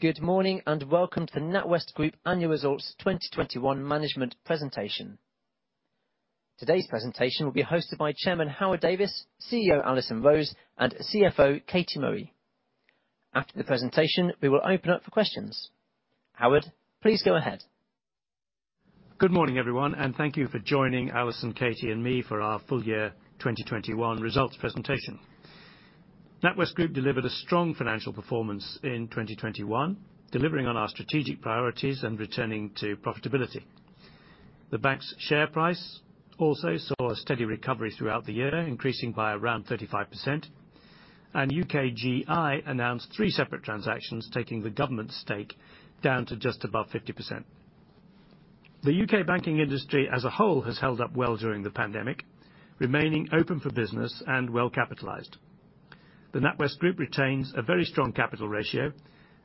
Good morning, and welcome to NatWest Group Annual Results 2021 management presentation. Today's presentation will be hosted by Chairman Howard Davies, CEO Alison Rose, and CFO Katie Murray. After the presentation, we will open up for questions. Howard, please go ahead. Good morning, everyone, and thank you for joining Alison, Katie, and me for our full year 2021 results presentation. NatWest Group delivered a strong financial performance in 2021, delivering on our strategic priorities and returning to profitability. The bank's share price also saw a steady recovery throughout the year, increasing by around 35%, and UKGI announced three separate transactions, taking the government stake down to just above 50%. The UK banking industry as a whole has held up well during the pandemic, remaining open for business and well capitalized. The NatWest Group retains a very strong capital ratio,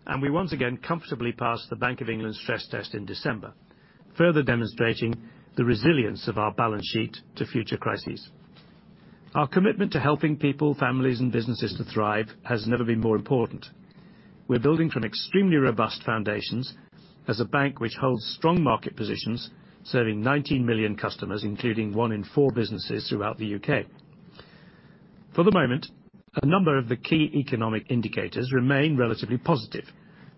and we once again comfortably passed the Bank of England stress test in December, further demonstrating the resilience of our balance sheet to future crises. Our commitment to helping people, families, and businesses to thrive has never been more important. We're building from extremely robust foundations as a bank which holds strong market positions, serving 19 million customers, including one in four businesses throughout the U.K. For the moment, a number of the key economic indicators remain relatively positive.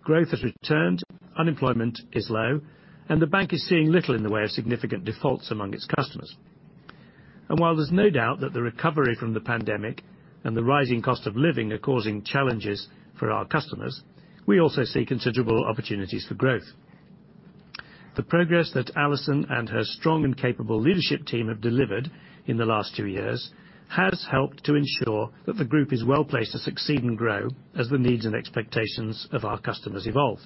Growth has returned, unemployment is low, and the bank is seeing little in the way of significant defaults among its customers. While there's no doubt that the recovery from the pandemic and the rising cost of living are causing challenges for our customers, we also see considerable opportunities for growth. The progress that Alison and her strong and capable leadership team have delivered in the last two years has helped to ensure that the Group is well-placed to succeed and grow as the needs and expectations of our customers evolve.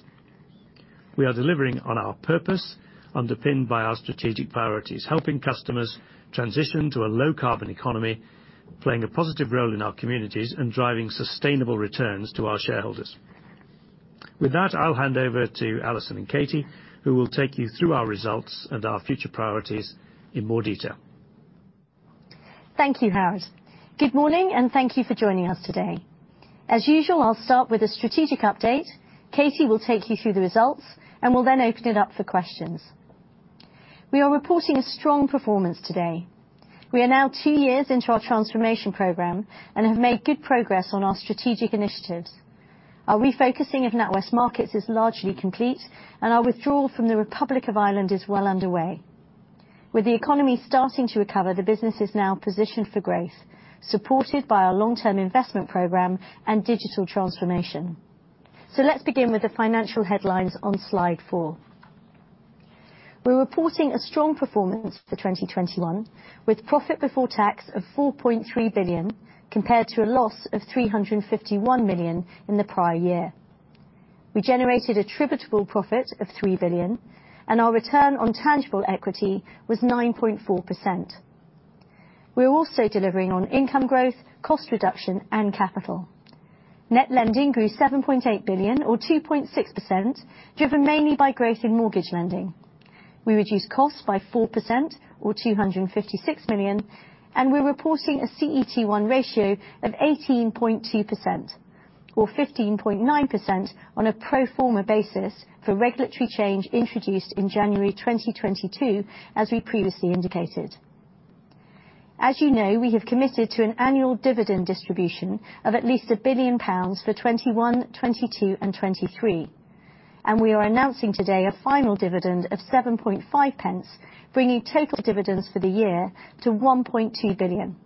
We are delivering on our purpose, underpinned by our strategic priorities, helping customers transition to a low carbon economy, playing a positive role in our communities, and driving sustainable returns to our shareholders. With that, I'll hand over to Alison and Katie, who will take you through our results and our future priorities in more detail. Thank you, Howard. Good morning, and thank you for joining us today. As usual, I'll start with a strategic update. Katie will take you through the results, and we'll then open it up for questions. We are reporting a strong performance today. We are now two years into our transformation program and have made good progress on our strategic initiatives. Our refocusing of NatWest Markets is largely complete, and our withdrawal from the Republic of Ireland is well underway. With the economy starting to recover, the business is now positioned for growth, supported by our long-term investment program and digital transformation. Let's begin with the financial headlines on Slide 4. We're reporting a strong performance for 2021, with profit before tax of 4.3 billion, compared to a loss of 351 million in the prior year. We generated attributable profit of 3 billion, and our return on tangible equity was 9.4%. We are also delivering on income growth, cost reduction, and capital. Net lending grew 7.8 billion or 2.6%, driven mainly by growth in mortgage lending. We reduced costs by 4% or 256 million, and we're reporting a CET1 ratio of 18.2% or 15.9% on a pro forma basis for regulatory change introduced in January 2022, as we previously indicated. As you know, we have committed to an annual dividend distribution of at least 1 billion pounds for 2021, 2022, and 2023. We are announcing today a final dividend of 0.075 pence, bringing total dividends for the year to 1.2 billion.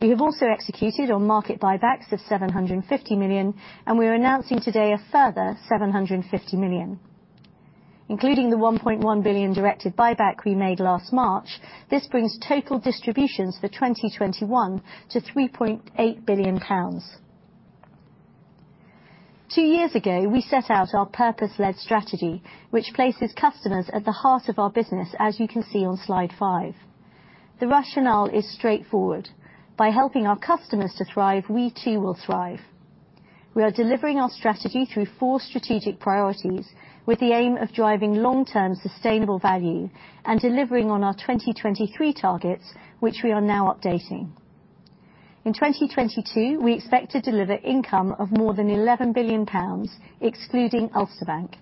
We have also executed on market buybacks of 750 million, and we are announcing today a further 750 million. Including the 1.1 billion directed buyback we made last March, this brings total distributions for 2021 to 3.8 billion pounds. Two years ago, we set out our purpose-led strategy, which places customers at the heart of our business, as you can see on slide five. The rationale is straightforward. By helping our customers to thrive, we too will thrive. We are delivering our strategy through four strategic priorities with the aim of driving long-term sustainable value and delivering on our 2023 targets, which we are now updating. In 2022, we expect to deliver income of more than 11 billion pounds, excluding Ulster Bank.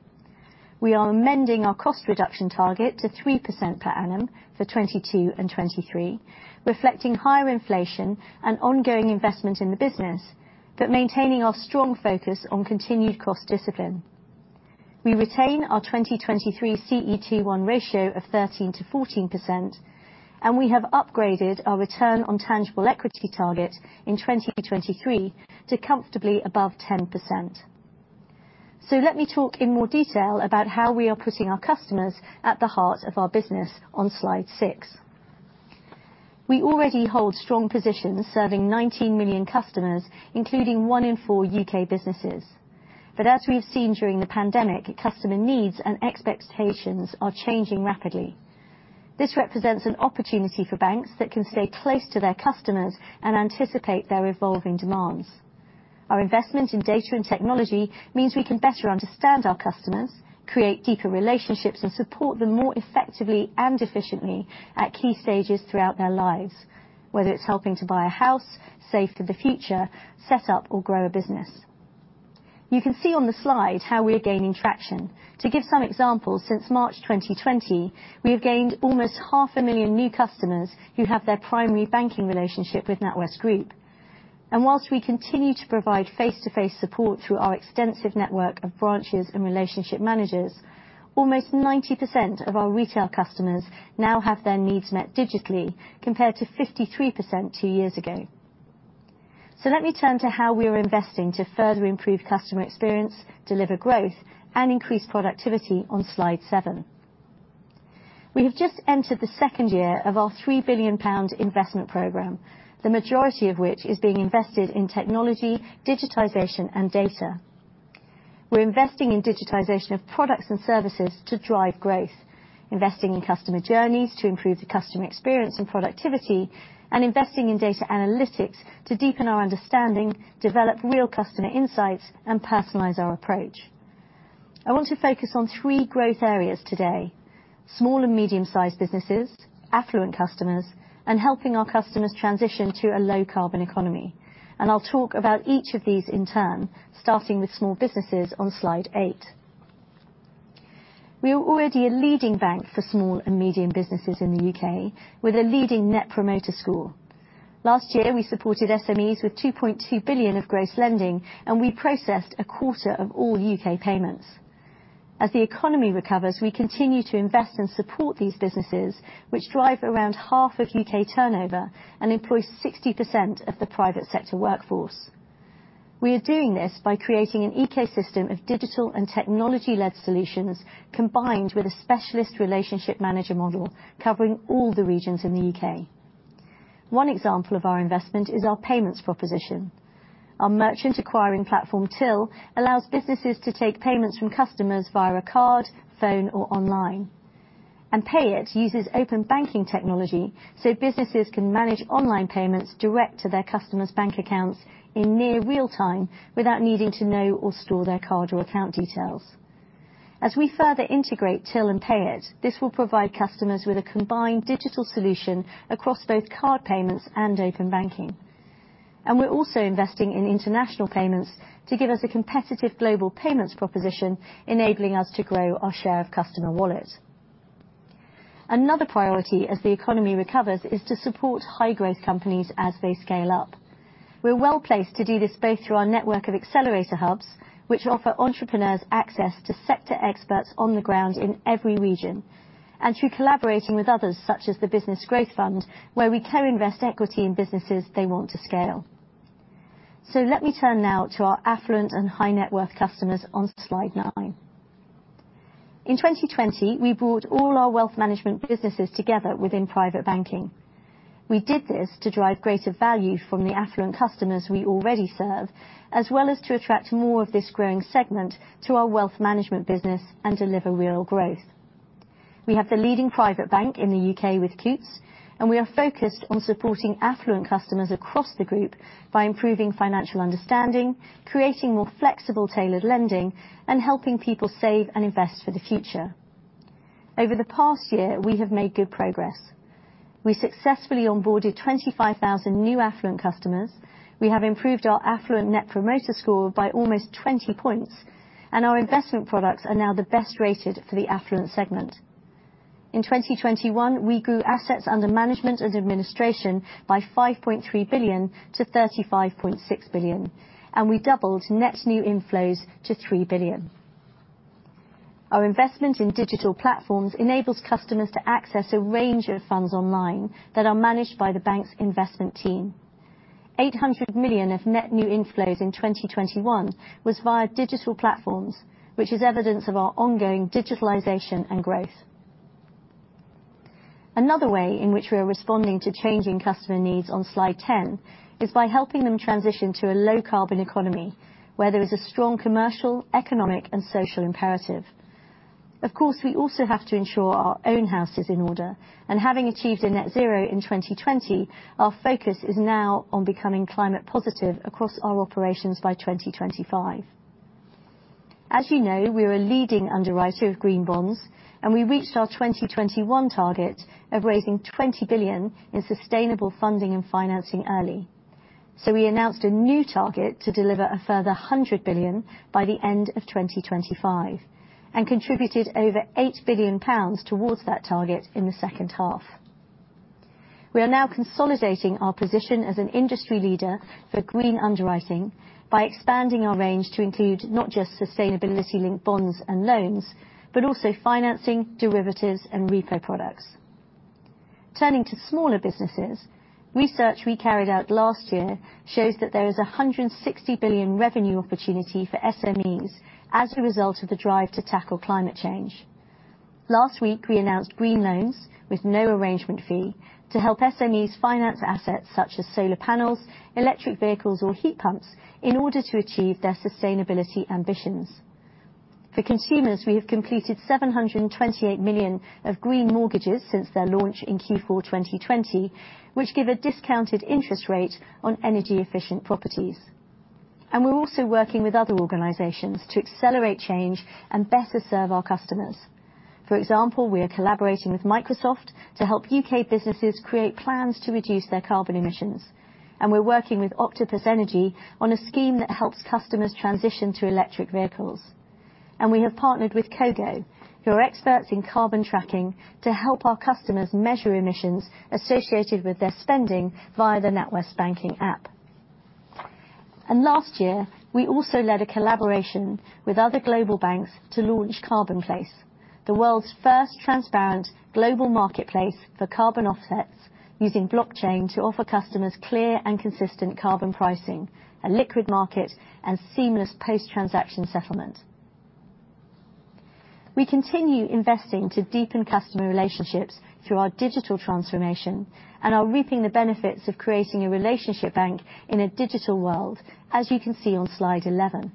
We are amending our cost reduction target to 3% per annum for 2022 and 2023, reflecting higher inflation and ongoing investment in the business, but maintaining our strong focus on continued cost discipline. We retain our 2023 CET1 ratio of 13%-14%, and we have upgraded our return on tangible equity target in 2023 to comfortably above 10%. Let me talk in more detail about how we are putting our customers at the heart of our business on slide six. We already hold strong positions serving 19 million customers, including one in four U.K. businesses. As we've seen during the pandemic, customer needs and expectations are changing rapidly. This represents an opportunity for banks that can stay close to their customers and anticipate their evolving demands. Our investment in data and technology means we can better understand our customers, create deeper relationships, and support them more effectively and efficiently at key stages throughout their lives, whether it's helping to buy a house, save for the future, set up or grow a business. You can see on the slide how we're gaining traction. To give some examples, since March 2020, we have gained almost 500,000 new customers who have their primary banking relationship with NatWest Group. Whilst we continue to provide face-to-face support through our extensive network of branches and relationship managers, almost 90% of our retail customers now have their needs met digitally, compared to 53% two years ago. Let me turn to how we are investing to further improve customer experience, deliver growth, and increase productivity on slide seven. We have just entered the second year of our 3 billion pound investment program, the majority of which is being invested in technology, digitization, and data. We're investing in digitization of products and services to drive growth. Investing in customer journeys to improve the customer experience and productivity, and investing in data analytics to deepen our understanding, develop real customer insights, and personalize our approach. I want to focus on three growth areas today. Small and medium-sized businesses, affluent customers, and helping our customers transition to a low-carbon economy. I'll talk about each of these in turn, starting with small businesses on slide eight. We are already a leading bank for small and medium businesses in the U.K., with a leading net promoter score. Last year, we supported SMEs with 2.2 billion of gross lending, and we processed a quarter of all U.K. payments. As the economy recovers, we continue to invest and support these businesses, which drive around half of U.K. turnover and employs 60% of the private sector workforce. We are doing this by creating an ecosystem of digital and technology-led solutions, combined with a specialist relationship manager model, covering all the regions in the U.K. One example of our investment is our payments proposition. Our merchant acquiring platform, Tyl, allows businesses to take payments from customers via a card, phone, or online. Payit uses open banking technology so businesses can manage online payments direct to their customers' bank accounts in near real time without needing to know or store their card or account details. As we further integrate Tyl and Payit, this will provide customers with a combined digital solution across both card payments and open banking. We're also investing in international payments to give us a competitive global payments proposition, enabling us to grow our share of customer wallet. Another priority as the economy recovers is to support high-growth companies as they scale up. We're well-placed to do this both through our network of accelerator hubs, which offer entrepreneurs access to sector experts on the ground in every region, and through collaborating with others, such as the Business Growth Fund, where we co-invest equity in businesses they want to scale. Let me turn now to our affluent and high-net worth customers on slide nine. In 2020, we brought all our wealth management businesses together within private banking. We did this to drive greater value from the affluent customers we already serve, as well as to attract more of this growing segment through our wealth management business and deliver real growth. We have the leading private bank in the U.K. with Coutts, and we are focused on supporting affluent customers across the group by improving financial understanding, creating more flexible tailored lending, and helping people save and invest for the future. Over the past year, we have made good progress. We successfully onboarded 25,000 new affluent customers. We have improved our affluent Net Promoter Score by almost 20 points, and our investment products are now the best rated for the affluent segment. In 2021, we grew assets under management and administration by 5.3 billion to 35.6 billion, and we doubled net new inflows to 3 billion. Our investment in digital platforms enables customers to access a range of funds online that are managed by the bank's investment team. 800 million of net new inflows in 2021 was via digital platforms, which is evidence of our ongoing digitalization and growth. Another way in which we are responding to changing customer needs on slide 10, is by helping them transition to a low-carbon economy, where there is a strong commercial, economic, and social imperative. Of course, we also have to ensure our own house is in order, and having achieved a net zero in 2020, our focus is now on becoming climate positive across our operations by 2025. As you know, we are a leading underwriter of green bonds, and we reached our 2021 target of raising 20 billion in sustainable funding and financing early. We announced a new target to deliver a further 100 billion by the end of 2025, and contributed over 8 billion pounds towards that target in the second half. We are now consolidating our position as an industry leader for green underwriting by expanding our range to include not just sustainability-linked bonds and loans, but also financing, derivatives, and repo products. Turning to smaller businesses, research we carried out last year shows that there is 160 billion revenue opportunity for SMEs as a result of the drive to tackle climate change. Last week, we announced green loans with no arrangement fee to help SMEs finance assets such as solar panels, electric vehicles, or heat pumps in order to achieve their sustainability ambitions. For consumers, we have completed 728 million of green mortgages since their launch in Q4 2020, which give a discounted interest rate on energy-efficient properties. We're also working with other organizations to accelerate change and better serve our customers. For example, we are collaborating with Microsoft to help U.K. businesses create plans to reduce their carbon emissions, and we're working with Octopus Energy on a scheme that helps customers transition to electric vehicles. We have partnered with Cogo, who are experts in carbon tracking, to help our customers measure emissions associated with their spending via the NatWest banking app. Last year, we also led a collaboration with other global banks to launch Carbonplace, the world's first transparent global marketplace for carbon offsets using blockchain to offer customers clear and consistent carbon pricing, a liquid market, and seamless post-transaction settlement. We continue investing to deepen customer relationships through our digital transformation and are reaping the benefits of creating a relationship bank in a digital world, as you can see on slide 11.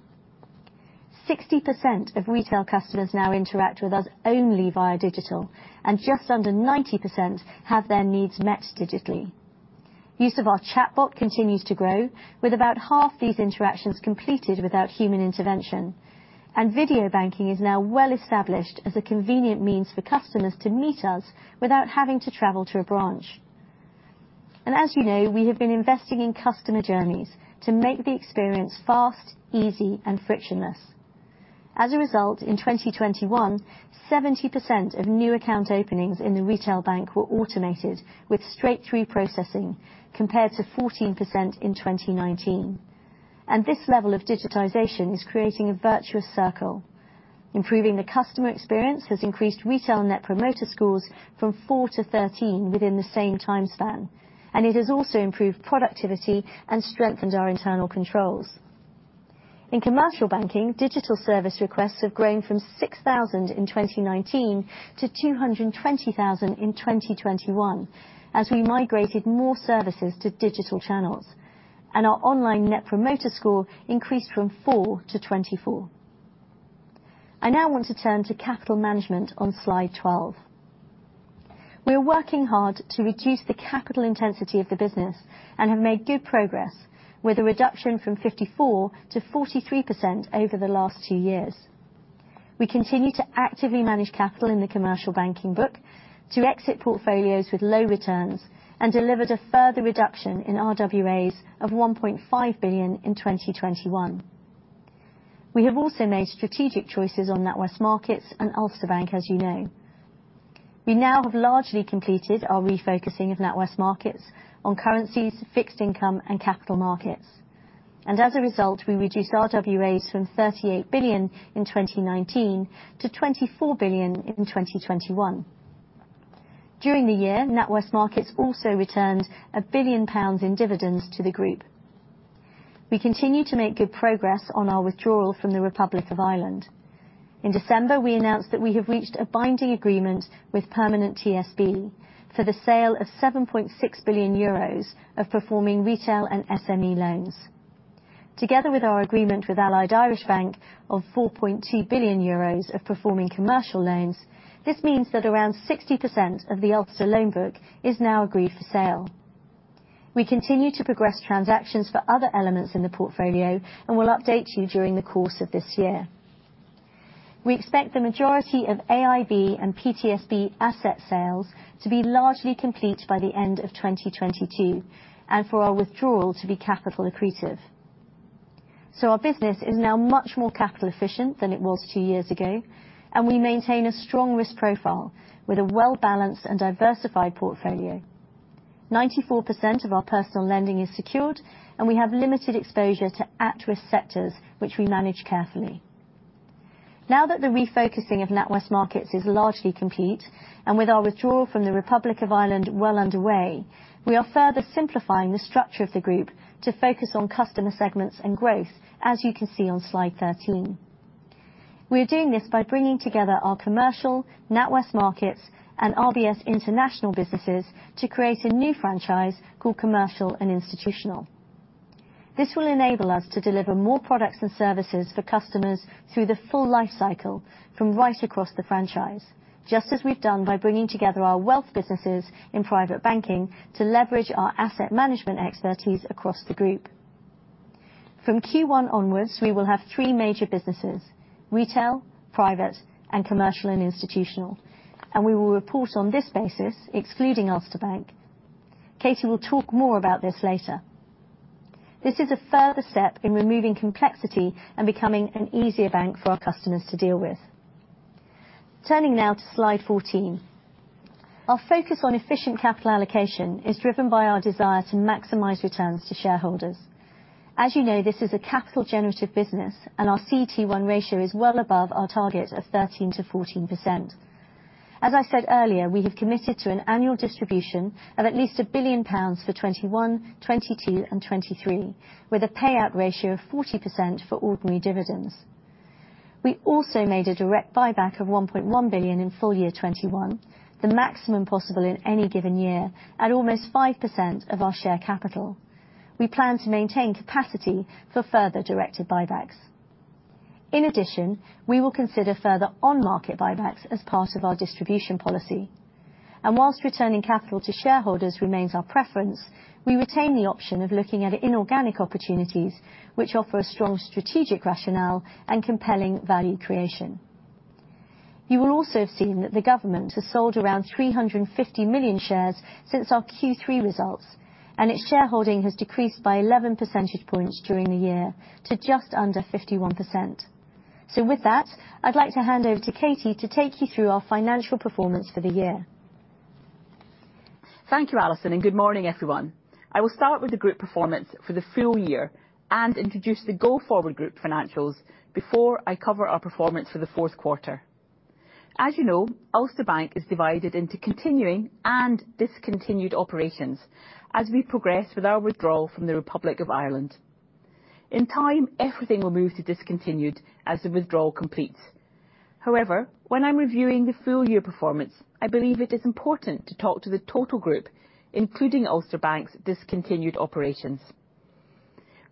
60% of retail customers now interact with us only via digital, and just under 90% have their needs met digitally. Use of our chatbot continues to grow with about half these interactions completed without human intervention. Video banking is now well-established as a convenient means for customers to meet us without having to travel to a branch. As you know, we have been investing in customer journeys to make the experience fast, easy, and frictionless. As a result, in 2021, 70% of new account openings in the retail bank were automated with straight-through processing, compared to 14% in 2019. This level of digitization is creating a virtuous circle. Improving the customer experience has increased retail Net Promoter Scores from 4 to 13 within the same time span, and it has also improved productivity and strengthened our internal controls. In commercial banking, digital service requests have grown from 6,000 in 2019 to 220,000 in 2021, as we migrated more services to digital channels. Our online net promoter score increased from 4 to 24. I now want to turn to capital management on slide 12. We are working hard to reduce the capital intensity of the business and have made good progress with a reduction from 54% to 43% over the last two years. We continue to actively manage capital in the commercial banking book to exit portfolios with low returns and delivered a further reduction in RWAs of 1.5 billion in 2021. We have also made strategic choices on NatWest Markets and Ulster Bank, as you know. We now have largely completed our refocusing of NatWest Markets on currencies, fixed income, and capital markets, and as a result, we reduced RWAs from 38 billion in 2019 to 24 billion in 2021. During the year, NatWest Markets also returned 1 billion pounds in dividends to the group. We continue to make good progress on our withdrawal from the Republic of Ireland. In December, we announced that we have reached a binding agreement with Permanent TSB for the sale of 7.6 billion euros of performing retail and SME loans. Together with our agreement with Allied Irish Banks of 4.2 billion euros of performing commercial loans, this means that around 60% of the Ulster loan book is now agreed for sale. We continue to progress transactions for other elements in the portfolio and will update you during the course of this year. We expect the majority of AIB and PTSB asset sales to be largely complete by the end of 2022 and for our withdrawal to be capital accretive. Our business is now much more capital efficient than it was two years ago, and we maintain a strong risk profile with a well-balanced and diversified portfolio. 94% of our personal lending is secured, and we have limited exposure to at-risk sectors, which we manage carefully. Now that the refocusing of NatWest Markets is largely complete, and with our withdrawal from the Republic of Ireland well underway, we are further simplifying the structure of the group to focus on customer segments and growth, as you can see on slide 13. We are doing this by bringing together our commercial, NatWest Markets, and RBS International businesses to create a new franchise called Commercial and Institutional. This will enable us to deliver more products and services for customers through the full life cycle from right across the franchise, just as we've done by bringing together our wealth businesses in private banking to leverage our asset management expertise across the group. From Q1 onwards, we will have three major businesses, Retail, Private, and Commercial and Institutional, and we will report on this basis, excluding Ulster Bank. Katie will talk more about this later. This is a further step in removing complexity and becoming an easier bank for our customers to deal with. Turning now to slide 14. Our focus on efficient capital allocation is driven by our desire to maximize returns to shareholders. As you know, this is a capital generative business, and our CET1 ratio is well above our target of 13%-14%. As I said earlier, we have committed to an annual distribution of at least 1 billion pounds for 2021, 2022, and 2023, with a payout ratio of 40% for ordinary dividends. We also made a direct buyback of 1.1 billion in full year 2021, the maximum possible in any given year at almost 5% of our share capital. We plan to maintain capacity for further directed buybacks. In addition, we will consider further on-market buybacks as part of our distribution policy. While returning capital to shareholders remains our preference, we retain the option of looking at inorganic opportunities which offer a strong strategic rationale and compelling value creation. You will also have seen that the government has sold around 350 million shares since our Q3 results, and its shareholding has decreased by 11 percentage points during the year to just under 51%. With that, I'd like to hand over to Katie to take you through our financial performance for the year. Thank you, Alison, and good morning, everyone. I will start with the group performance for the full year and introduce the go-forward group financials before I cover our performance for the fourth quarter. As you know, Ulster Bank is divided into continuing and discontinued operations as we progress with our withdrawal from the Republic of Ireland. In time, everything will move to discontinued as the withdrawal completes. However, when I'm reviewing the full year performance, I believe it is important to talk to the total group, including Ulster Bank's discontinued operations.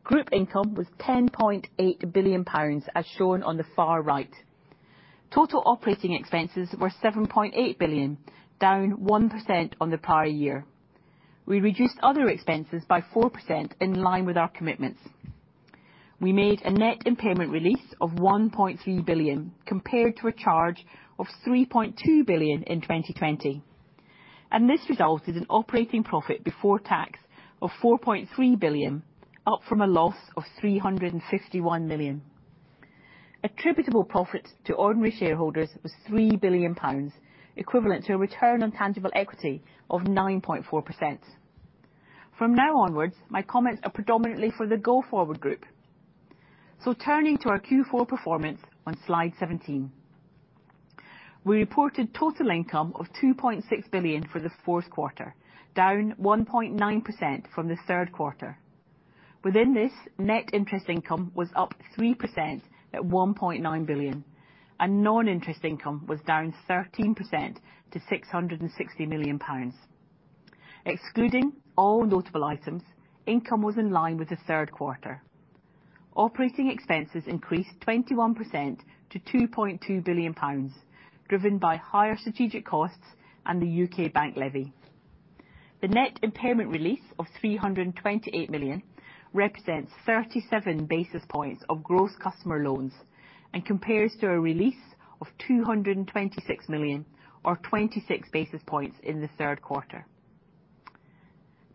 Group income was 10.8 billion pounds, as shown on the far right. Total operating expenses were 7.8 billion, down 1% on the prior year. We reduced other expenses by 4% in line with our commitments. We made a net impairment release of 1.3 billion compared to a charge of 3.2 billion in 2020. This resulted in operating profit before tax of 4.3 billion, up from a loss of 351 million. Attributable profit to ordinary shareholders was 3 billion pounds, equivalent to a return on tangible equity of 9.4%. From now onwards, my comments are predominantly for the go-forward group. Turning to our Q4 performance on slide 17. We reported total income of 2.6 billion for the fourth quarter, down 1.9% from the third quarter. Within this, net interest income was up 3% at 1.9 billion, and non-interest income was down 13% to 660 million pounds. Excluding all notable items, income was in line with the third quarter. Operating expenses increased 21% to 2.2 billion pounds, driven by higher strategic costs and the UK bank levy. The net impairment release of 328 million represents 37 basis points of gross customer loans and compares to a release of 226 million or 26 basis points in the third quarter.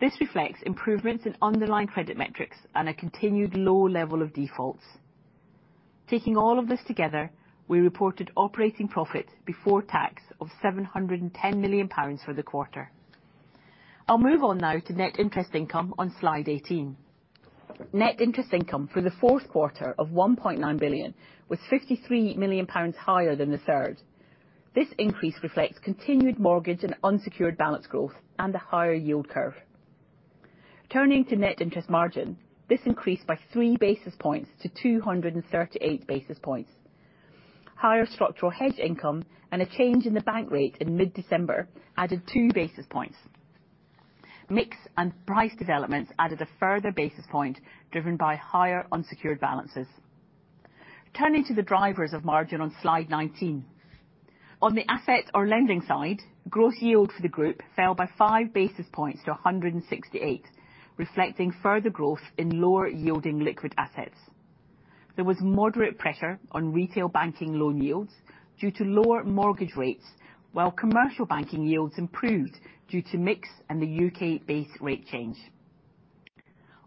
This reflects improvements in underlying credit metrics and a continued low level of defaults. Taking all of this together, we reported operating profit before tax of 710 million pounds for the quarter. I'll move on now to net interest income on slide 18. Net interest income for the fourth quarter of 1.9 billion was 53 million pounds higher than the third. This increase reflects continued mortgage and unsecured balance growth and a higher yield curve. Turning to net interest margin, this increased by 3 basis points to 238 basis points. Higher structural hedge income and a change in the bank rate in mid-December added 2 basis points. Mix and price developments added a further basis point driven by higher unsecured balances. Turning to the drivers of margin on slide 19. On the assets or lending side, gross yield for the group fell by 5 basis points to 168, reflecting further growth in lower yielding liquid assets. There was moderate pressure on retail banking loan yields due to lower mortgage rates, while commercial banking yields improved due to mix and the UK base rate change.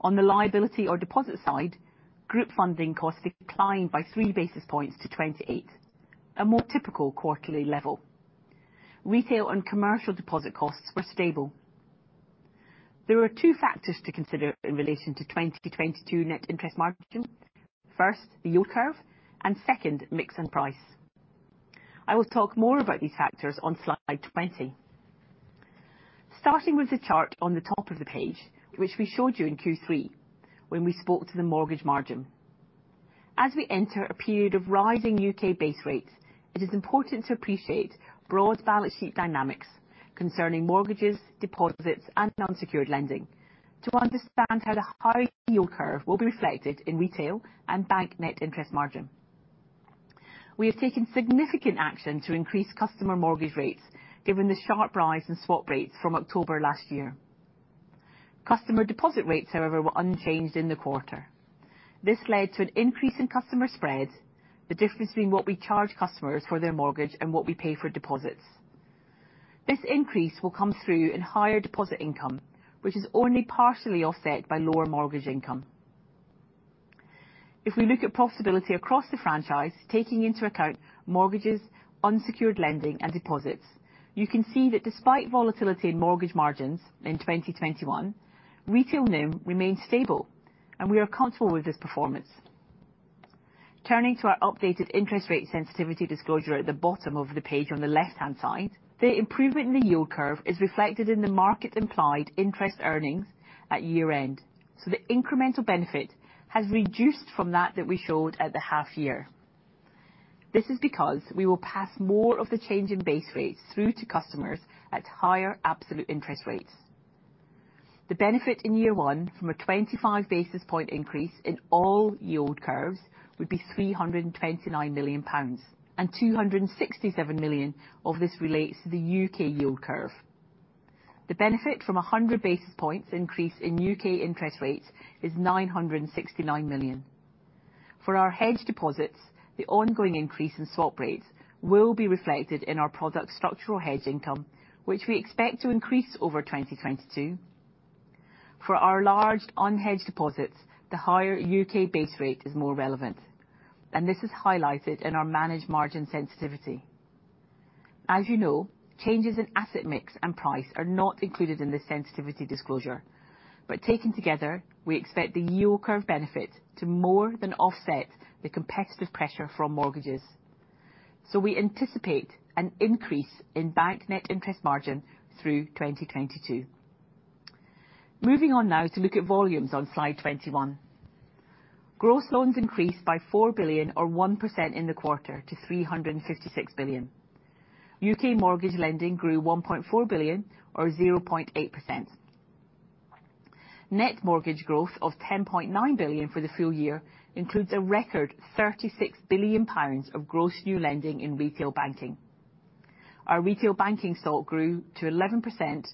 On the liability or deposit side, group funding costs declined by 3 basis points to 28, a more typical quarterly level. Retail and commercial deposit costs were stable. There are two factors to consider in relation to 2022 net interest margin. First, the yield curve, and second, mix and price. I will talk more about these factors on slide 20. Starting with the chart on the top of the page, which we showed you in Q3 when we spoke to the mortgage margin. As we enter a period of rising U.K. base rates, it is important to appreciate broad balance sheet dynamics concerning mortgages, deposits, and unsecured lending to understand how the higher yield curve will be reflected in retail and bank net interest margin. We have taken significant action to increase customer mortgage rates given the sharp rise in swap rates from October last year. Customer deposit rates, however, were unchanged in the quarter. This led to an increase in customer spreads, the difference between what we charge customers for their mortgage and what we pay for deposits. This increase will come through in higher deposit income, which is only partially offset by lower mortgage income. If we look at profitability across the franchise, taking into account mortgages, unsecured lending, and deposits, you can see that despite volatility in mortgage margins in 2021, retail NIM remains stable, and we are comfortable with this performance. Turning to our updated interest rate sensitivity disclosure at the bottom of the page on the left-hand side. The improvement in the yield curve is reflected in the market-implied interest earnings at year-end, so the incremental benefit has reduced from that we showed at the half year. This is because we will pass more of the change in base rates through to customers at higher absolute interest rates. The benefit in year one from a 25 basis point increase in all yield curves would be 329 million pounds, and 267 million of this relates to the UK yield curve. The benefit from a 100 basis points increase in UK interest rates is 969 million. For our hedged deposits, the ongoing increase in swap rates will be reflected in our product structural hedge income, which we expect to increase over 2022. For our large unhedged deposits, the higher UK base rate is more relevant, and this is highlighted in our managed margin sensitivity. As you know, changes in asset mix and price are not included in this sensitivity disclosure. Taken together, we expect the yield curve benefit to more than offset the competitive pressure from mortgages. We anticipate an increase in bank net interest margin through 2022. Moving on now to look at volumes on slide 21. Gross loans increased by 4 billion or 1% in the quarter to 356 billion. U.K. mortgage lending grew 1.4 billion or 0.8%. Net mortgage growth of 10.9 billion for the full year includes a record 36 billion pounds of gross new lending in retail banking. Our retail banking stock grew to 11%,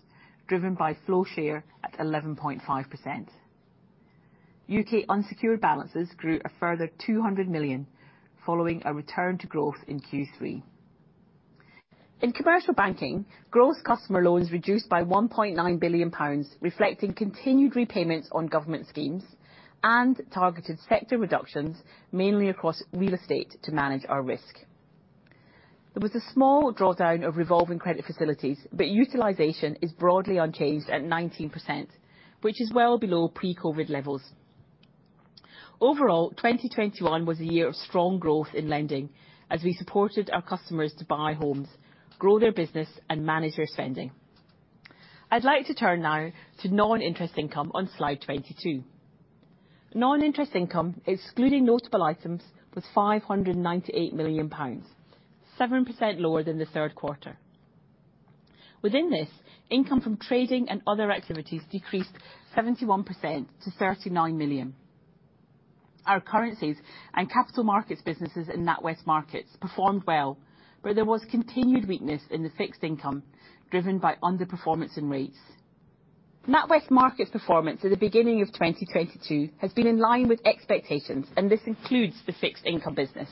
driven by flow share at 11.5%. U.K. unsecured balances grew a further 200 million following a return to growth in Q3. In Commercial Banking, gross customer loans reduced by 1.9 billion pounds, reflecting continued repayments on government schemes and targeted sector reductions, mainly across real estate to manage our risk. There was a small drawdown of revolving credit facilities, but utilization is broadly unchanged at 19%, which is well below pre-COVID levels. Overall, 2021 was a year of strong growth in lending as we supported our customers to buy homes, grow their business, and manage their spending. I'd like to turn now to non-interest income on slide 22. Non-interest income, excluding notable items, was 598 million pounds, 7% lower than the third quarter. Within this, income from trading and other activities decreased 71% to 39 million. Our currencies and capital markets businesses in NatWest Markets performed well, but there was continued weakness in the fixed income, driven by underperformance in rates. NatWest Markets' performance at the beginning of 2022 has been in line with expectations, and this includes the fixed income business.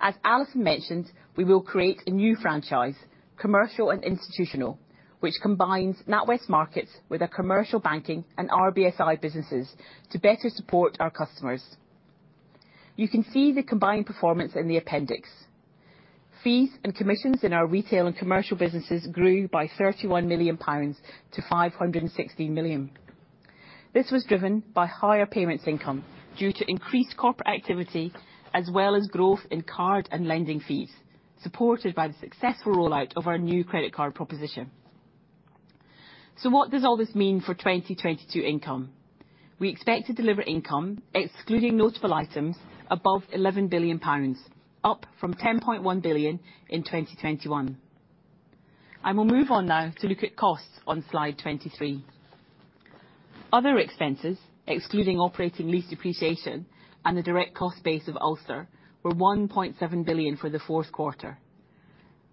As Alison mentioned, we will create a new franchise, Commercial and Institutional, which combines NatWest Markets with our Commercial Banking and RBSI businesses to better support our customers. You can see the combined performance in the appendix. Fees and Commissions in our Retail and Commercial businesses grew by 31 million pounds to 560 million. This was driven by higher payments income due to increased corporate activity as well as growth in card and lending fees, supported by the successful rollout of our new credit card proposition. What does all this mean for 2022 income? We expect to deliver income, excluding notable items, above 11 billion pounds, up from 10.1 billion in 2021. We'll move on now to look at costs on slide 23. Other expenses, excluding operating lease depreciation and the direct cost base of Ulster, were 1.7 billion for the fourth quarter.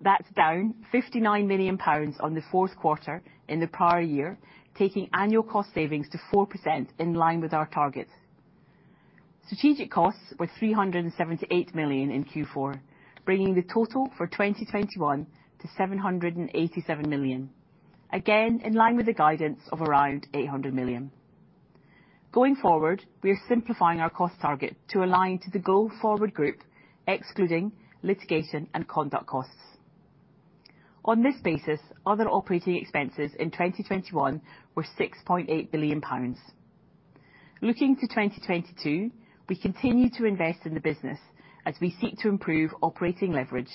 That's down 59 million pounds on the fourth quarter in the prior year, taking annual cost savings to 4% in line with our targets. Strategic costs were 378 million in Q4, bringing the total for 2021 to 787 million. Again, in line with the guidance of around 800 million. Going forward, we are simplifying our cost target to align to the go-forward group, excluding litigation and conduct costs. On this basis, other operating expenses in 2021 were 6.8 billion pounds. Looking to 2022, we continue to invest in the business as we seek to improve operating leverage.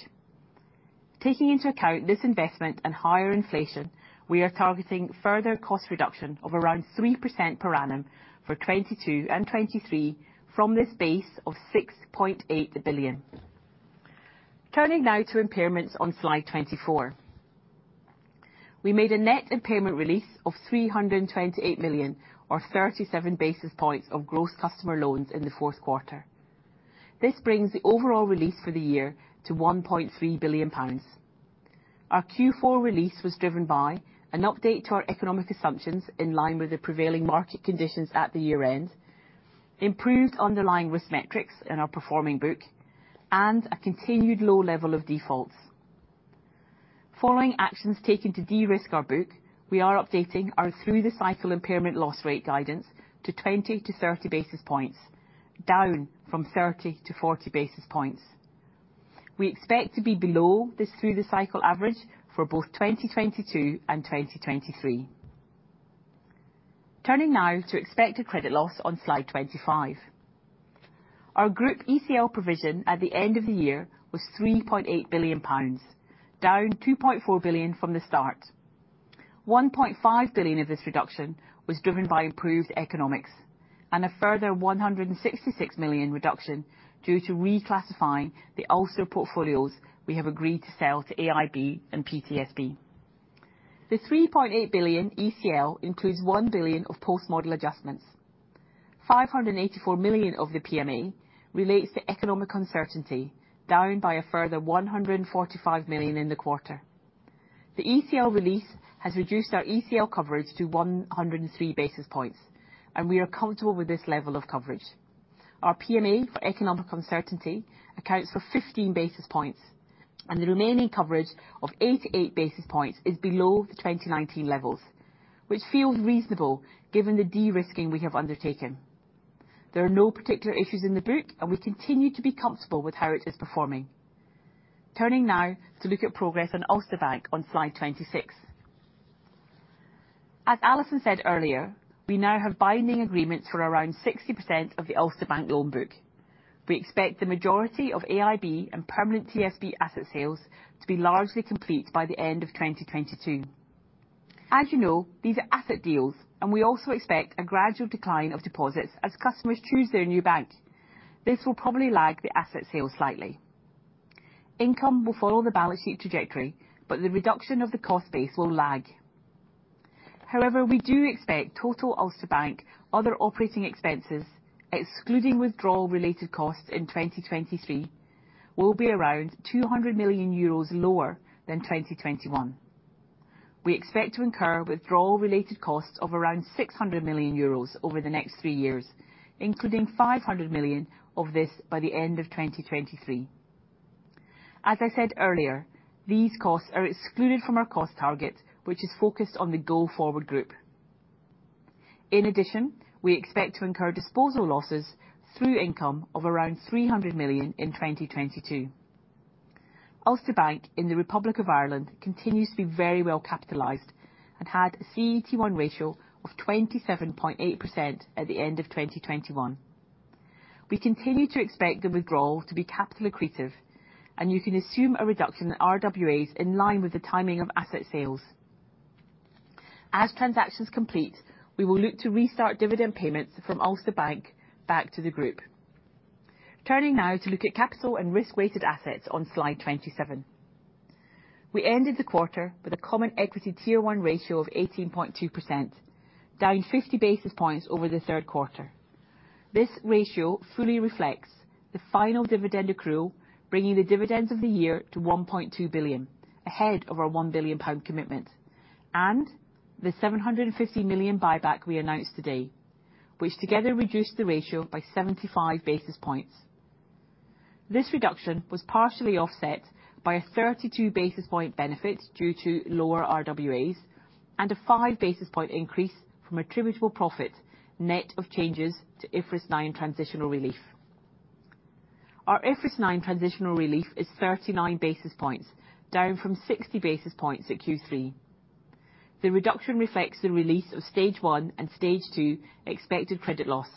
Taking into account this investment and higher inflation, we are targeting further cost reduction of around 3% per annum for 2022 and 2023 from this base of 6.8 billion. Turning now to impairments on slide 24. We made a net impairment release of 328 million or 37 basis points of gross customer loans in the fourth quarter. This brings the overall release for the year to 1.3 billion pounds. Our Q4 release was driven by an update to our economic assumptions in line with the prevailing market conditions at the year-end, improved underlying risk metrics in our performing book, and a continued low level of defaults. Following actions taken to de-risk our book, we are updating our through-the-cycle impairment loss rate guidance to 20 basis points-30 basis points, down from 30 basis points-40 basis points. We expect to be below this through-the-cycle average for both 2022 and 2023. Turning now to expected credit loss on slide 25. Our group ECL provision at the end of the year was 3.8 billion pounds, down 2.4 billion pounds from the start. 1.5 billion of this reduction was driven by improved economics. A further 166 million reduction due to reclassifying the Ulster portfolios we have agreed to sell to AIB and PTSB. The 3.8 billion ECL includes 1 billion of post-model adjustments. 584 million of the PMA relates to economic uncertainty, down by a further 145 million in the quarter. The ECL release has reduced our ECL coverage to 103 basis points, and we are comfortable with this level of coverage. Our PMA for economic uncertainty accounts for 15 basis points, and the remaining coverage of 88 basis points is below the 2019 levels. Which feels reasonable given the de-risking we have undertaken. There are no particular issues in the book, and we continue to be comfortable with how it is performing. Turning now to look at progress on Ulster Bank on slide 26. As Alison said earlier, we now have binding agreements for around 60% of the Ulster Bank loan book. We expect the majority of AIB and Permanent TSB asset sales to be largely complete by the end of 2022. As you know, these are asset deals, and we also expect a gradual decline of deposits as customers choose their new bank. This will probably lag the asset sale slightly. Income will follow the balance sheet trajectory, but the reduction of the cost base will lag. However, we do expect total Ulster Bank other operating expenses, excluding withdrawal related costs in 2023, will be around 200 million euros lower than 2021. We expect to incur withdrawal related costs of around 600 million euros over the next three years, including 500 million of this by the end of 2023. As I said earlier, these costs are excluded from our cost target, which is focused on the go-forward group. In addition, we expect to incur disposal losses through income of around 300 million in 2022. Ulster Bank in the Republic of Ireland continues to be very well capitalized and had a CET1 ratio of 27.8% at the end of 2021. We continue to expect the withdrawal to be capital accretive, and you can assume a reduction in RWAs in line with the timing of asset sales. As transactions complete, we will look to restart dividend payments from Ulster Bank back to the group. Turning now to look at capital and risk-weighted assets on slide 27. We ended the quarter with a common equity tier one ratio of 18.2%, down 50 basis points over the third quarter. This ratio fully reflects the final dividend accrual, bringing the dividends of the year to 1.2 billion, ahead of our 1 billion pound commitment. The seven hundred and fifty million buyback we announced today, which together reduced the ratio by 75 basis points. This reduction was partially offset by a 32 basis point benefit due to lower RWAs and a 5 basis point increase from attributable profit net of changes to IFRS 9 transitional relief. Our IFRS 9 transitional relief is 39 basis points, down from 60 basis points at Q3. The reduction reflects the release of stage one and stage two expected credit loss,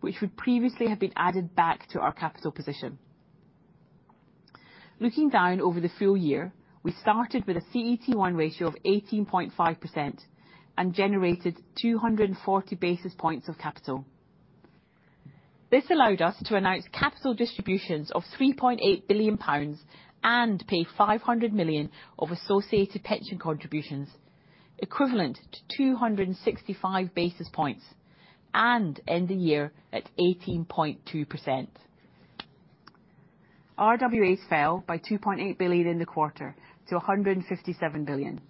which would previously have been added back to our capital position. Looking down over the full year, we started with a CET1 ratio of 18.5% and generated 240 basis points of capital. This allowed us to announce capital distributions of 3.8 billion pounds and pay 500 million of associated pension contributions, equivalent to 265 basis points and end the year at 18.2%. RWAs fell by 2.8 billion in the quarter to 157 billion.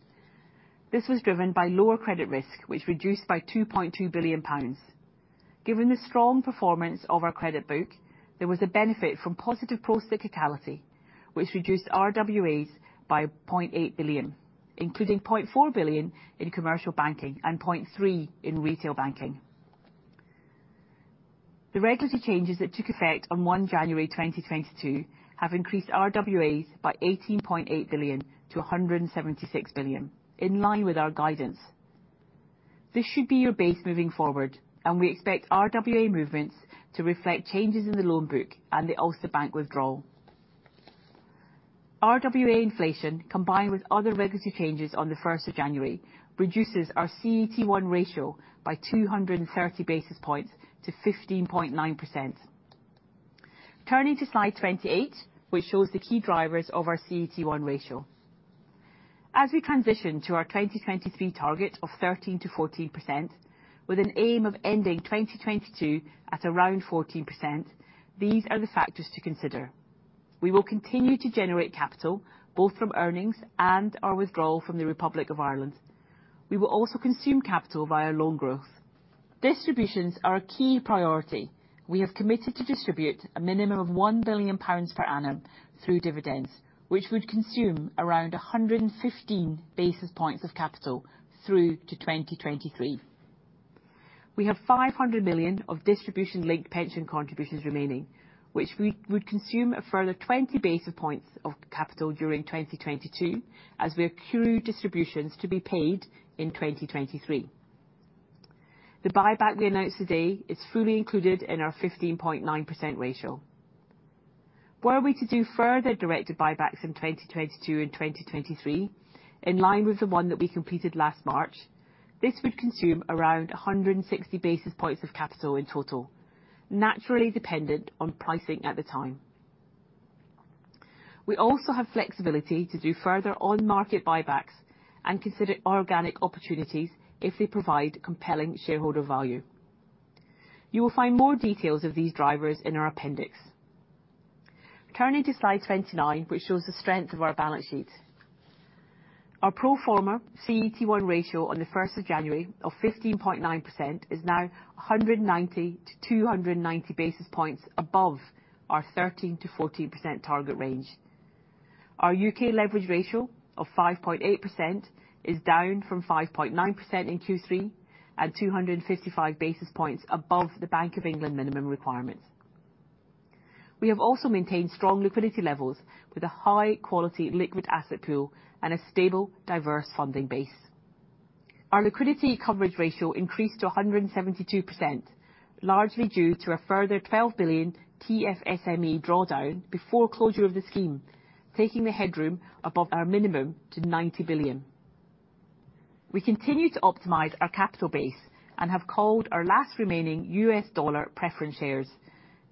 This was driven by lower credit risk, which reduced by 2.2 billion pounds. Given the strong performance of our credit book, there was a benefit from positive procyclicality, which reduced RWAs by 0.8 billion, including 0.4 billion in Commercial Banking and 0.3 billion in Retail banking. The regulatory changes that took effect on 1 January 2022 have increased RWAs by 18.8 billion to 176 billion, in line with our guidance. This should be your base moving forward, and we expect RWA movements to reflect changes in the loan book and the Ulster Bank withdrawal. RWA inflation, combined with other regulatory changes on the 1st of January, reduces our CET1 ratio by 230 basis points to 15.9%. Turning to slide 28, which shows the key drivers of our CET1 ratio. As we transition to our 2023 target of 13%-14% with an aim of ending 2022 at around 14%, these are the factors to consider. We will continue to generate capital both from earnings and our withdrawal from the Republic of Ireland. We will also consume capital via loan growth. Distributions are a key priority. We have committed to distribute a minimum of 1 billion pounds per annum through dividends, which would consume around 115 basis points of capital through to 2023. We have 500 million of distribution-linked pension contributions remaining, which we would consume a further 20 basis points of capital during 2022, as we accrue distributions to be paid in 2023. The buyback we announced today is fully included in our 15.9% ratio. Were we to do further directed buybacks in 2022 and 2023, in line with the one that we completed last March, this would consume around 160 basis points of capital in total, naturally dependent on pricing at the time. We also have flexibility to do further on-market buybacks and consider organic opportunities if they provide compelling shareholder value. You will find more details of these drivers in our appendix. Turning to slide 29, which shows the strength of our balance sheet. Our pro forma CET1 ratio on 1st of January of 15.9% is now 190 basis points-290 basis points above our 13%-14% target range. Our UK leverage ratio of 5.8% is down from 5.9% in Q3 at 255 basis points above the Bank of England minimum requirements. We have also maintained strong liquidity levels with a high quality liquid asset pool and a stable, diverse funding base. Our liquidity coverage ratio increased to 172%, largely due to a further 12 billion TFSME drawdown before closure of the scheme, taking the headroom above our minimum to 90 billion. We continue to optimize our capital base and have called our last remaining US dollar preference shares.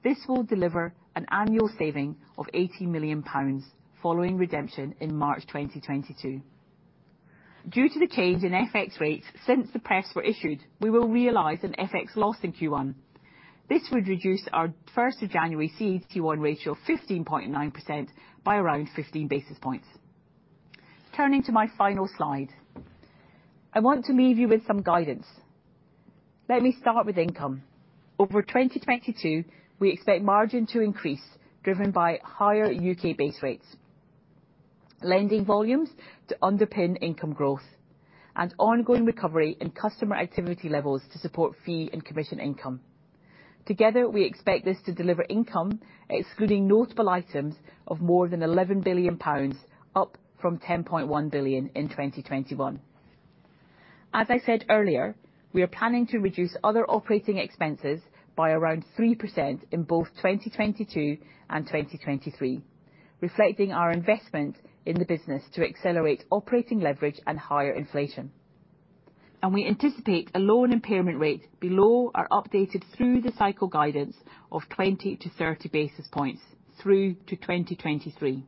This will deliver an annual saving of 80 million pounds following redemption in March 2022. Due to the change in FX rates since the press release was issued, we will realize an FX loss in Q1. This would reduce our January 1 CET1 ratio of 15.9% by around 15 basis points. Turning to my final slide. I want to leave you with some guidance. Let me start with income. Over 2022, we expect margin to increase driven by higher U.K. base rates, lending volumes to underpin income growth, and ongoing recovery in customer activity levels to support fee and commission income. Together, we expect this to deliver income, excluding notable items of more than GBP 11 billion up from GBP 10.1 billion in 2021. As I said earlier, we are planning to reduce other operating expenses by around 3% in both 2022 and 2023, reflecting our investment in the business to accelerate operating leverage and higher inflation. We anticipate a loan impairment rate below our updated through the cycle guidance of 20 basis points-30 basis points through to 2023.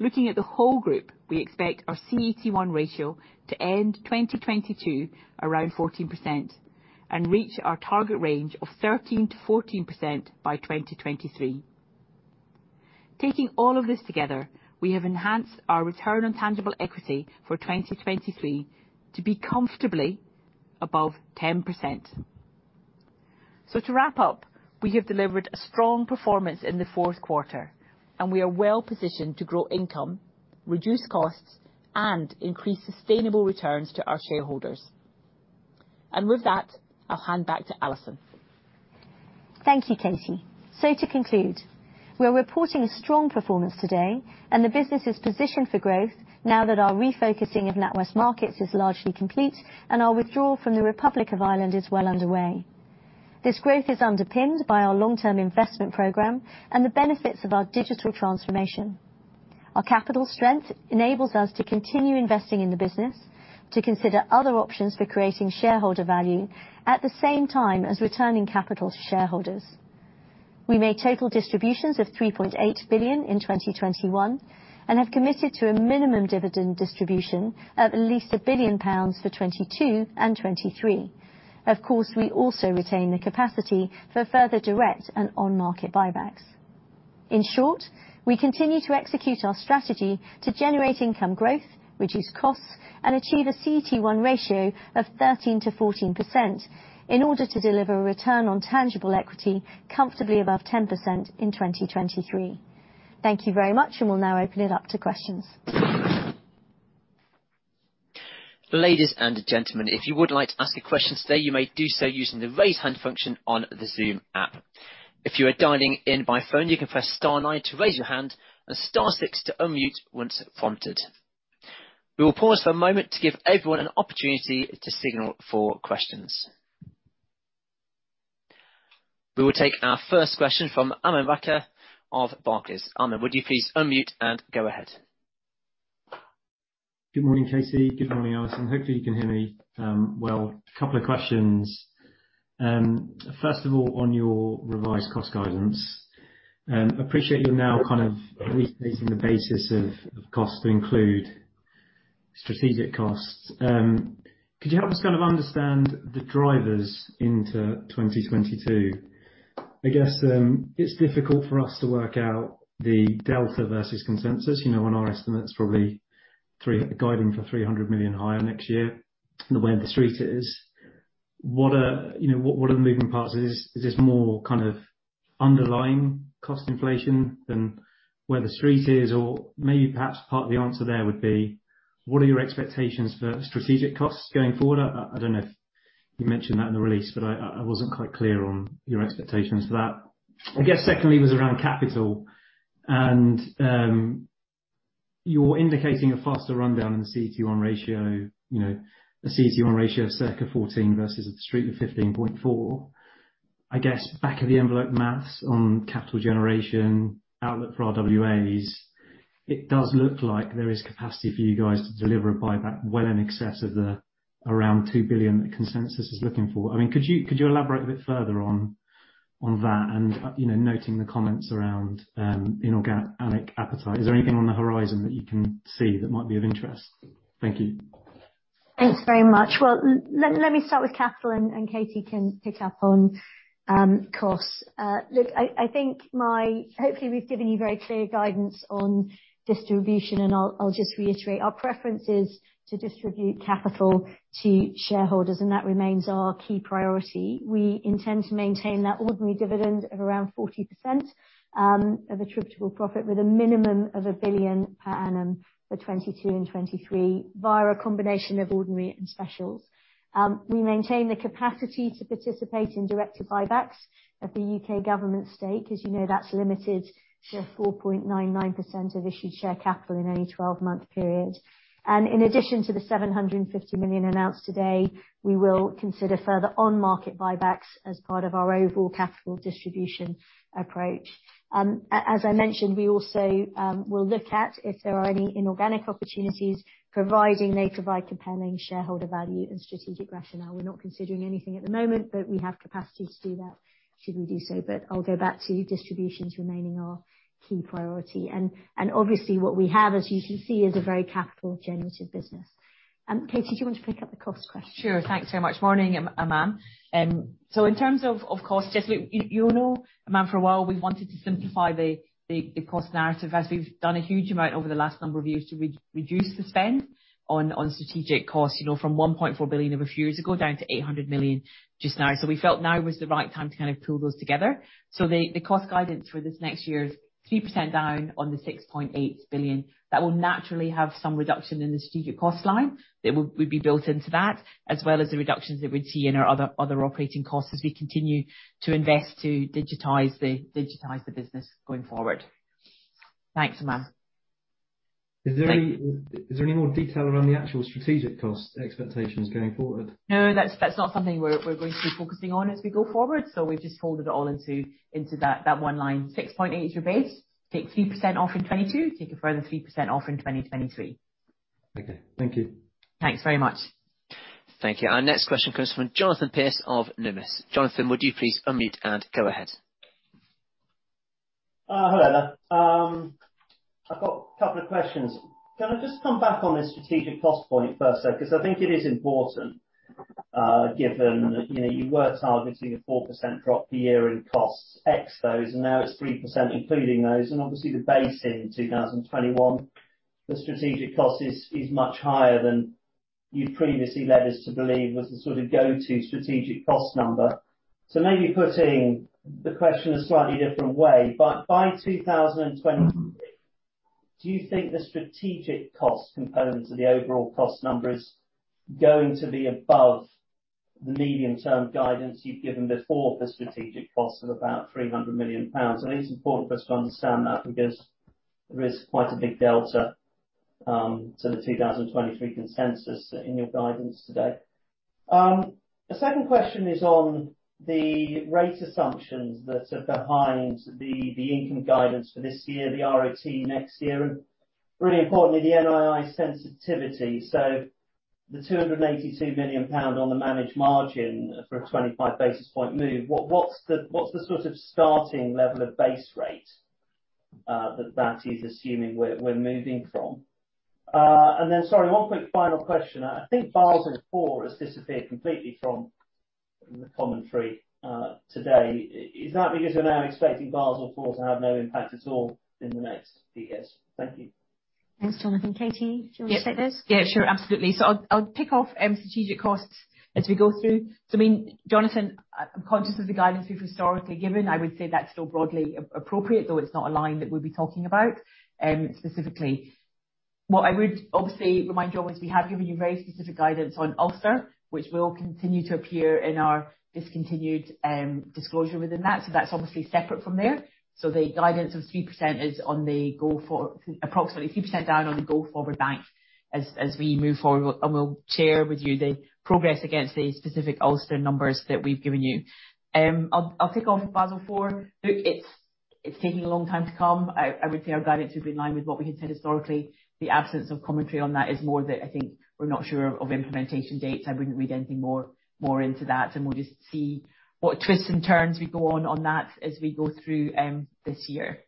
Looking at the whole group, we expect our CET1 ratio to end 2022 around 14% and reach our target range of 13%-14% by 2023. Taking all of this together, we have enhanced our return on tangible equity for 2023 to be comfortably above 10%. To wrap up, we have delivered a strong performance in the fourth quarter, and we are well positioned to grow income, reduce costs, and increase sustainable returns to our shareholders. With that, I'll hand back to Alison. Thank you, Katie. To conclude, we are reporting a strong performance today and the business is positioned for growth now that our refocusing of NatWest Markets is largely complete and our withdrawal from the Republic of Ireland is well underway. This growth is underpinned by our long-term investment program and the benefits of our digital transformation. Our capital strength enables us to continue investing in the business, to consider other options for creating shareholder value at the same time as returning capital to shareholders. We made total distributions of 3.8 billion in 2021 and have committed to a minimum dividend distribution of at least 1 billion pounds for 2022 and 2023. Of course, we also retain the capacity for further direct and on-market buybacks. In short, we continue to execute our strategy to generate income growth, reduce costs, and achieve a CET1 ratio of 13%-14% in order to deliver a return on tangible equity comfortably above 10% in 2023. Thank you very much, and we'll now open it up to questions. Ladies and gentlemen, if you would like to ask a question today, you may do so using the raise hand function on the Zoom app. If you are dialing in by phone, you can press star nine to raise your hand and star six to unmute once prompted. We will pause for a moment to give everyone an opportunity to signal for questions. We will take our first question from Aman Rakkar of Barclays. Aman, would you please unmute and go ahead. Good morning, Katie. Good morning, Alison. Hopefully you can hear me well. A couple of questions. First of all, on your revised cost guidance, I appreciate you now kind of restating the basis of cost to include strategic costs. Could you help us kind of understand the drivers into 2022? I guess it's difficult for us to work out the delta versus consensus, you know, on our estimates, probably guiding for 300 million higher next year than where the Street is. What are, you know, the moving parts? Is this more kind of underlying cost inflation than where the Street is? Or perhaps part of the answer there would be what are your expectations for strategic costs going forward? I don't know if you mentioned that in the release, but I wasn't quite clear on your expectations for that. I guess secondly was around capital and you're indicating a faster rundown in the CET1 ratio, you know, the CET1 ratio of circa 14 versus the street of 15.4. I guess back of the envelope maths on capital generation, outlook for RWAs, it does look like there is capacity for you guys to deliver a buyback well in excess of the around 2 billion that consensus is looking for. I mean, could you elaborate a bit further on that and, you know, noting the comments around inorganic appetite. Is there anything on the horizon that you can see that might be of interest? Thank you. Thanks very much. Well, let me start with capital and Katie can pick up on costs. Hopefully, we've given you very clear guidance on distribution, and I'll just reiterate. Our preference is to distribute capital to shareholders, and that remains our key priority. We intend to maintain that ordinary dividend of around 40% of attributable profit with a minimum of 1 billion per annum for 2022 and 2023, via a combination of ordinary and specials. We maintain the capacity to participate in directed buybacks of the U.K. government stake. As you know, that's limited to 4.99% of issued share capital in any 12-month period. In addition to the 750 million announced today, we will consider further on-market buybacks as part of our overall capital distribution approach. As I mentioned, we also will look at if there are any inorganic opportunities, providing they provide compelling shareholder value and strategic rationale. We're not considering anything at the moment, but we have capacity to do that should we do so. I'll go back to distributions remaining our key priority. Obviously what we have, as you can see, is a very capital-generative business. Katie, do you want to pick up the cost question? Sure. Thanks so much. Morning, Aman. In terms of course, just, look, you know, Aman, for a while, we've wanted to simplify the cost narrative as we've done a huge amount over the last number of years to reduce the spend on strategic costs, you know, from 1.4 billion a few years ago down to 800 million just now. We felt now was the right time to kind of pull those together. The cost guidance for this next year is 3% down on the 6.8 billion. That will naturally have some reduction in the strategic cost line that will be built into that, as well as the reductions that we see in our other operating costs as we continue to invest to digitize the business going forward. Thanks, Aman. Is there any more detail around the actual strategic cost expectations going forward? No, that's not something we're going to be focusing on as we go forward, so we've just folded it all into that one line. 6.8 is your base. Take 3% off in 2022. Take a further 3% off in 2023. Okay, thank you. Thanks very much. Thank you. Our next question comes from Jonathan Pierce of Numis. Jonathan, would you please unmute and go ahead. Hello there. I've got a couple of questions. Can I just come back on the strategic cost point first, though, 'cause I think it is important, given that, you know, you were targeting a 4% drop a year in costs, ex those, and now it's 3% including those. Obviously the base in 2021, the strategic cost is much higher than you've previously led us to believe was the sort of go-to strategic cost number. Maybe putting the question a slightly different way, by 2023, do you think the strategic cost component of the overall cost number is going to be above the medium-term guidance you've given before the strategic cost of about 300 million pounds? It's important for us to understand that because there is quite a big delta to the 2023 consensus in your guidance today. A second question is on the rate assumptions that are behind the income guidance for this year, the ROTE next year, and really importantly, the NII sensitivity. The 282 million pound on the managed margin for a 25 basis point move, what's the sort of starting level of base rate that is assuming we're moving from? And then sorry, one quick final question. I think Basel IV has disappeared completely from the commentary today. Is that because we're now expecting Basel IV to have no impact at all in the next few years? Thank you. Thanks, Jonathan. Katie, do you wanna take those? Yeah, sure. Absolutely. I'll kick off strategic costs as we go through. I mean, Jonathan, I'm conscious of the guidance we've historically given. I would say that's still broadly appropriate, though it's not a line that we'll be talking about specifically. What I would obviously remind you of is we have given you very specific guidance on Ulster, which will continue to appear in our discontinued disclosure within that. That's obviously separate from there. The guidance of 3% is approximately 3% down on the go-forward bank as we move forward, and we'll share with you the progress against the specific Ulster numbers that we've given you. I'll kick off with Basel IV. Look, it's taking a long time to come. I would say our guidance is in line with what we had said historically. The absence of commentary on that is more that I think we're not sure of implementation dates. I wouldn't read anything more into that, and we'll just see what twists and turns we go on that as we go through this year.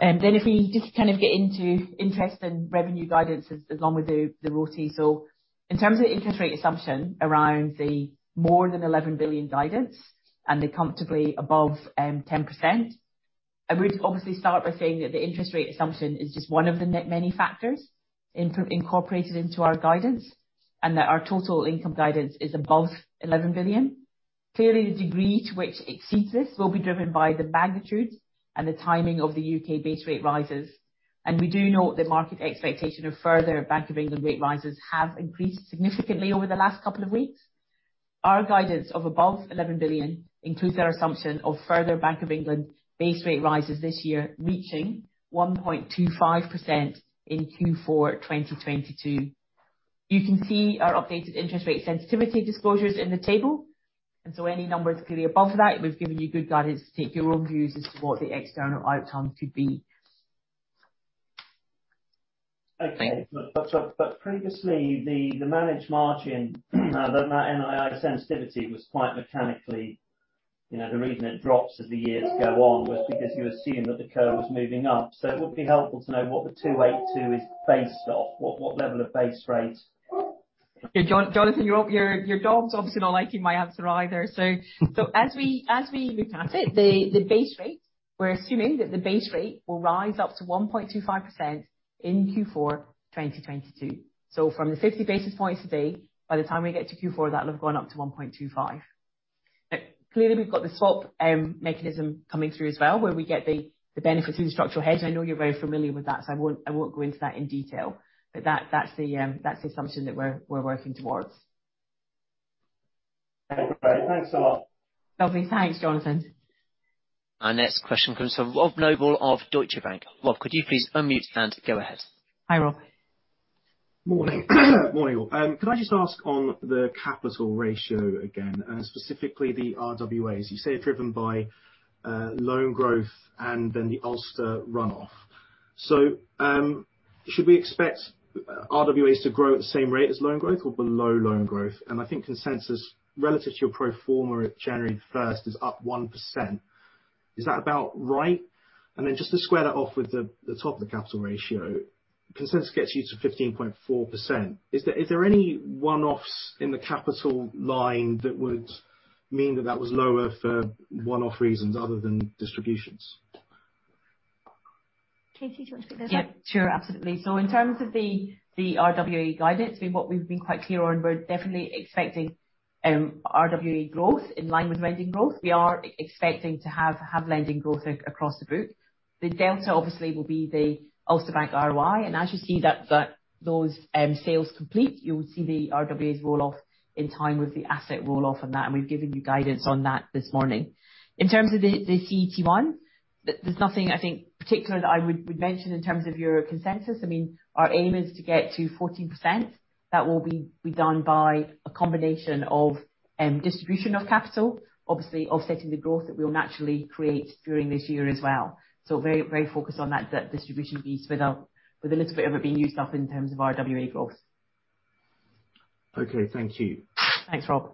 If we just kind of get into interest and revenue guidance along with the ROTE. In terms of the interest rate assumption around the more than 11 billion guidance and the comfortably above 10%, I would obviously start by saying that the interest rate assumption is just one of the many factors incorporated into our guidance, and that our total income guidance is above 11 billion. Clearly, the degree to which it exceeds this will be driven by the magnitude and the timing of the UK base rate rises. We do note the market expectation of further Bank of England rate rises have increased significantly over the last couple of weeks. Our guidance of above 11 billion includes our assumption of further Bank of England base rate rises this year, reaching 1.25% in Q4 2022. You can see our updated interest rate sensitivity disclosures in the table, and so any numbers clearly above that, we've given you good guidance to take your own views as to what the external outcome could be. Okay. Previously, the managed margin, that NII sensitivity was quite mechanically, you know, the reason it drops as the years go on was because you assume that the curve was moving up. It would be helpful to know what the 282 is based off. What level of base rate? Yeah. Jonathan, your dog's obviously not liking my answer either. As we move past it, the base rate, we're assuming that the base rate will rise up to 1.25% in Q4 2022. From the 50 basis points today, by the time we get to Q4, that will have gone up to 1.25. Now, clearly, we've got the swap mechanism coming through as well, where we get the benefit through the structural hedge. I know you're very familiar with that, so I won't go into that in detail. But that's the assumption that we're working towards. Okay. Thanks a lot. Lovely. Thanks, Jonathan. Our next question comes from Rob Noble of Deutsche Bank. Rob, could you please unmute and go ahead. Hi, Rob. Morning. Morning, all. Could I just ask on the capital ratio again, and specifically the RWAs. You say driven by loan growth and then the Ulster run-off. Should we expect RWAs to grow at the same rate as loan growth or below loan growth? And I think consensus relative to your pro forma at January 1 is up 1%. Is that about right? And then just to square that off with the top of the capital ratio, consensus gets you to 15.4%. Is there any one-offs in the capital line that would mean that was lower for one-off reasons other than distributions? Katie, do you want to take this one? Yeah, sure. Absolutely. In terms of the RWA guidance, I mean what we've been quite clear on, we're definitely expecting RWA growth in line with lending growth. We are expecting to have lending growth across the group. The delta obviously will be the Ulster Bank ROI. As you see those sales complete, you'll see the RWAs roll off in time with the asset roll off on that, and we've given you guidance on that this morning. In terms of the CET1, there's nothing I think particular that I would mention in terms of your consensus. I mean, our aim is to get to 14%. That will be done by a combination of distribution of capital, obviously offsetting the growth that we'll naturally create during this year as well. Very, very focused on that distribution piece with a little bit of it being used up in terms of RWA growth. Okay, thank you. Thanks, Rob.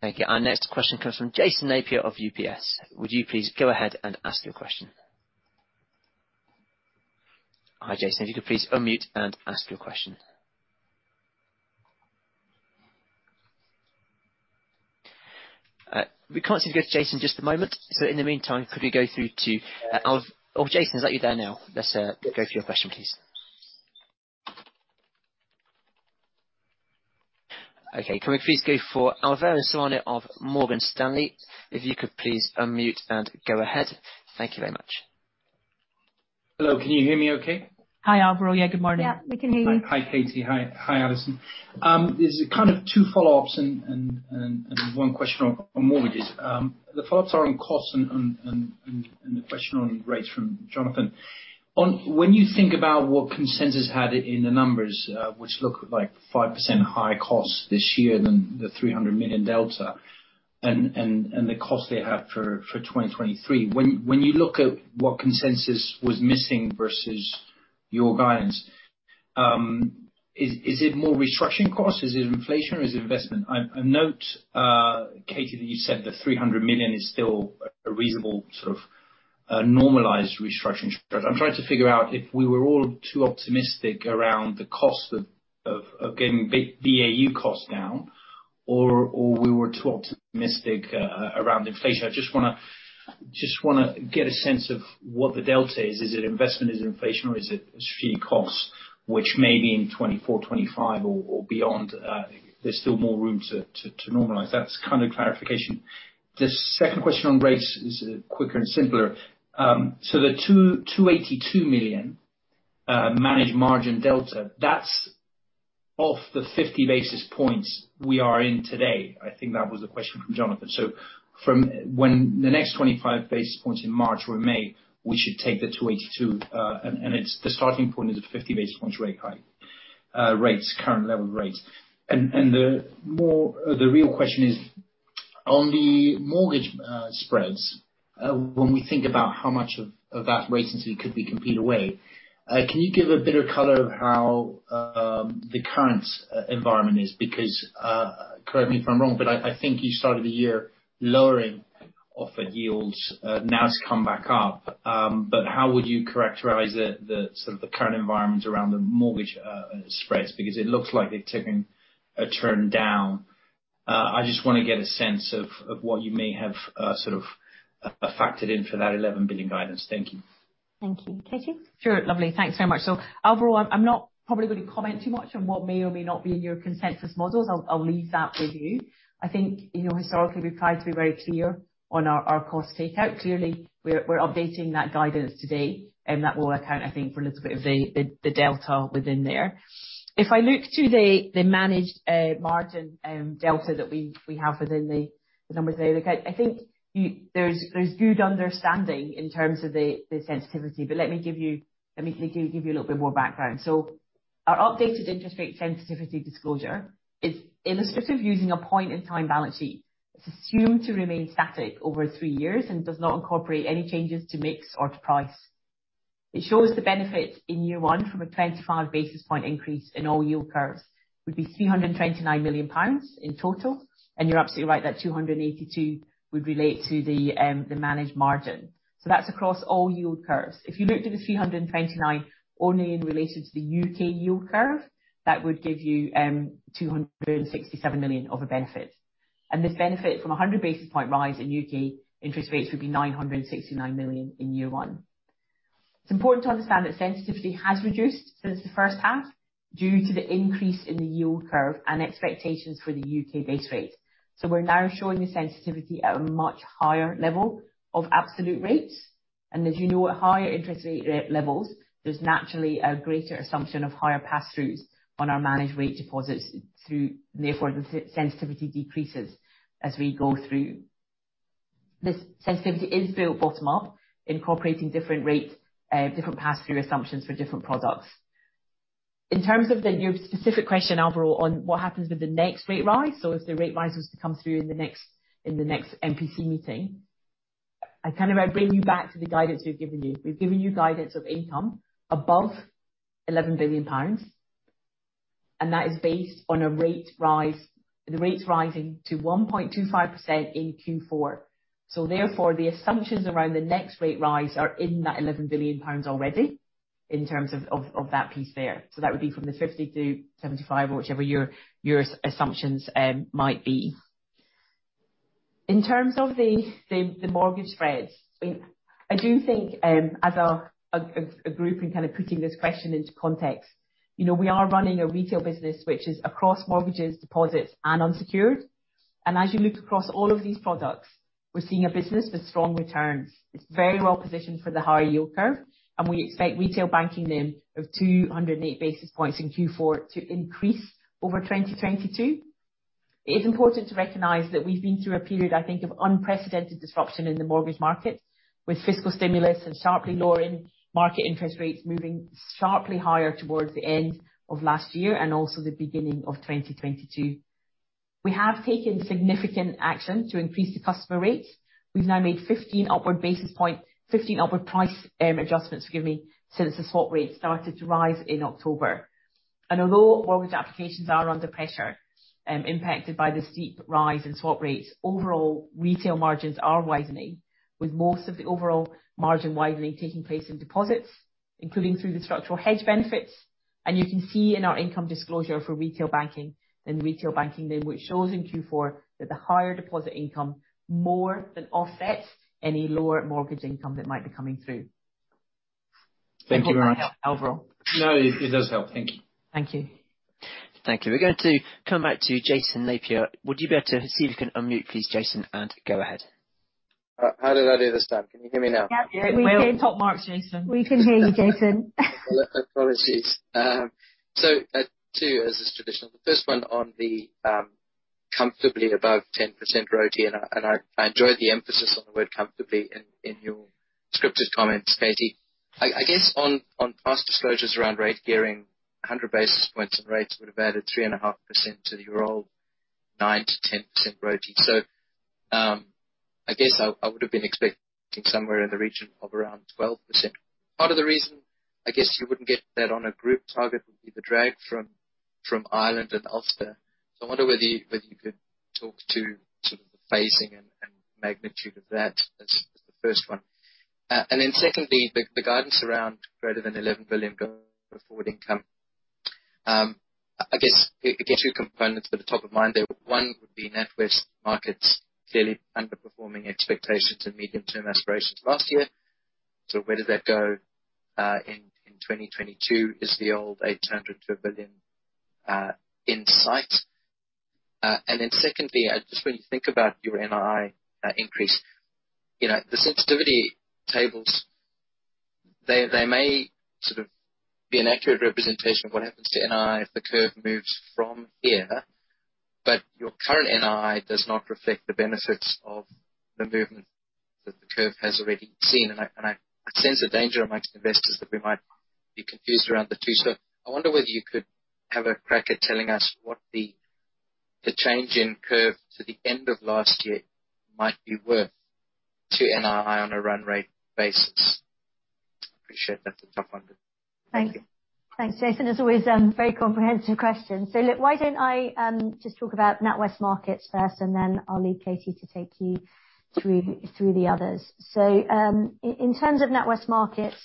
Thank you. Our next question comes from Jason Napier of UBS. Would you please go ahead and ask your question. Hi, Jason. If you could please unmute and ask your question. We can't seem to get Jason just at the moment, so in the meantime, could we go through to... Oh, Jason, is that you there now? Let's go through your question, please. Okay. Can we please go for Alvaro Serrano of Morgan Stanley? If you could please unmute and go ahead. Thank you very much. Hello, can you hear me okay? Hi, Alvaro. Yeah, good morning. Yeah, we can hear you. Hi, Katie. Hi, hi, Alison. There's kind of two follow-ups and one question on mortgages. The follow-ups are on costs and the question on rates from Jonathan. When you think about what consensus had in the numbers, which look like 5% higher costs this year than the 300 million delta and the cost they had for 2023, when you look at what consensus was missing versus your guidance, is it more restructuring costs? Is it inflation or is it investment? I note, Katie, that you said the 300 million is still a reasonable sort of normalized restructuring charge. I'm trying to figure out if we were all too optimistic around the cost of getting BAU costs down or we were too optimistic around inflation. I just wanna get a sense of what the delta is. Is it investment? Is it inflation or is it just fixed costs, which may be in 2024, 2025 or beyond, there's still more room to normalize? That's kind of clarification. The second question on rates is quicker and simpler. The 282 million managed margin delta, that's off the 50 basis points we are in today. I think that was a question from Jonathan. From when the next 25 basis points in March or in May, we should take the 282. The starting point is a 50 basis points rate hike from current level rates. The more the real question is on the mortgage spreads, when we think about how much of that ratcheting could be competed away. Can you give a bit of color on how the current environment is? Because correct me if I'm wrong, but I think you started the year lowering offered yields. Now it's come back up. But how would you characterize the sort of the current environment around the mortgage spreads? Because it looks like they're taking a turn down. I just want to get a sense of what you may have sort of factored in for that 11 billion guidance. Thank you. Thank you. Katie? Sure. Lovely. Thanks so much. Alvaro, I'm not probably going to comment too much on what may or may not be in your consensus models. I'll leave that with you. I think, you know, historically we've tried to be very clear on our cost takeout. Clearly, we're updating that guidance today, and that will account, I think, for a little bit of the delta within there. If I look to the managed margin delta that we have within the numbers there, look, I think you— there's good understanding in terms of the sensitivity, but let me give you a little bit more background. Our updated interest rate sensitivity disclosure is illustrative using a point-in-time balance sheet. It's assumed to remain static over three years and does not incorporate any changes to mix or to price. It shows the benefit in year one from a 25 basis point increase in all yield curves, would be 329 million pounds in total. You're absolutely right that 282 million would relate to the managed margin. So that's across all yield curves. If you looked at the 329 million only in relation to the U.K. yield curve, that would give you 267 million of a benefit. This benefit from a 100 basis point rise in U.K. interest rates would be 969 million in year one. It's important to understand that sensitivity has reduced since the first half due to the increase in the yield curve and expectations for the U.K. base rate. We're now showing the sensitivity at a much higher level of absolute rates. As you know, at higher interest rate levels, there's naturally a greater assumption of higher pass-throughs on our managed rate deposits, therefore the sensitivity decreases as we go through. This sensitivity is built bottom up, incorporating different rates, different pass-through assumptions for different products. In terms of your specific question, Alvaro, on what happens with the next rate rise or if the rate rises to come through in the next MPC meeting, I kind of bring you back to the guidance we've given you. We've given you guidance of income above 11 billion pounds, and that is based on a rate rise, the rates rising to 1.25% in Q4. Therefore, the assumptions around the next rate rise are in that 11 billion pounds already in terms of that piece there. That would be from the 50-75 or whichever your assumptions might be. In terms of the mortgage spreads, I do think, as a group in kind of putting this question into context, you know, we are running a retail business which is across mortgages, deposits and unsecured. As you look across all of these products, we're seeing a business with strong returns. It's very well positioned for the higher yield curve, and we expect retail banking NIM of 208 basis points in Q4 to increase over 2022. It is important to recognize that we've been through a period, I think, of unprecedented disruption in the mortgage market, with fiscal stimulus and sharply lowering market interest rates moving sharply higher towards the end of last year and also the beginning of 2022. We have taken significant action to increase the customer rates. We've now made 15 upward basis point adjustments since the swap rates started to rise in October. Although mortgage applications are under pressure, impacted by the steep rise in swap rates, overall retail margins are widening, with most of the overall margin widening taking place in deposits, including through the structural hedge benefits. You can see in our income disclosure for retail banking, in retail banking NIM, which shows in Q4 that the higher deposit income more than offsets any lower mortgage income that might be coming through. Thank you very much. I hope that helped, Alvaro. No, it does help. Thank you. Thank you. Thank you. We're going to come back to Jason Napier. Would you be able to see if you can unmute please, Jason, and go ahead. How did I do this time? Can you hear me now? Yeah. Well Yeah, we can. Top marks, Jason. We can hear you, Jason. Apologies. Two as is traditional. The first one on the comfortably above 10% ROTE, and I enjoyed the emphasis on the word comfortably in your scripted comments, Katie. I guess on past disclosures around rate gearing, 100 basis points in rates would have added 3.5% to the overall 9%-10% ROTE. I guess I would have been expecting somewhere in the region of around 12%. Part of the reason I guess you wouldn't get that on a group target would be the drag from Ireland and Ulster. I wonder whether you could talk to sort of the phasing and magnitude of that as the first one. And then secondly, the guidance around greater than 11 billion go forward income. I guess two components at the top of mind there. One would be NatWest Markets clearly underperforming expectations and medium-term aspirations last year. So where does that go in 2022? Is the old 800 million to 1 billion in sight? And then secondly, just when you think about your NII increase, you know, the sensitivity tables, they may sort of be an accurate representation of what happens to NII if the curve moves from here, but your current NII does not reflect the benefits of the movement that the curve has already seen. I sense a danger amongst investors that we might be confused around the two. I wonder whether you could have a crack at telling us what the change in curve to the end of last year might be worth to NII on a run rate basis. I appreciate that's a tough one. Thank you. Thanks, Jason. As always, very comprehensive question. Look, why don't I just talk about NatWest Markets first, and then I'll leave Katie to take you through the others. In terms of NatWest Markets,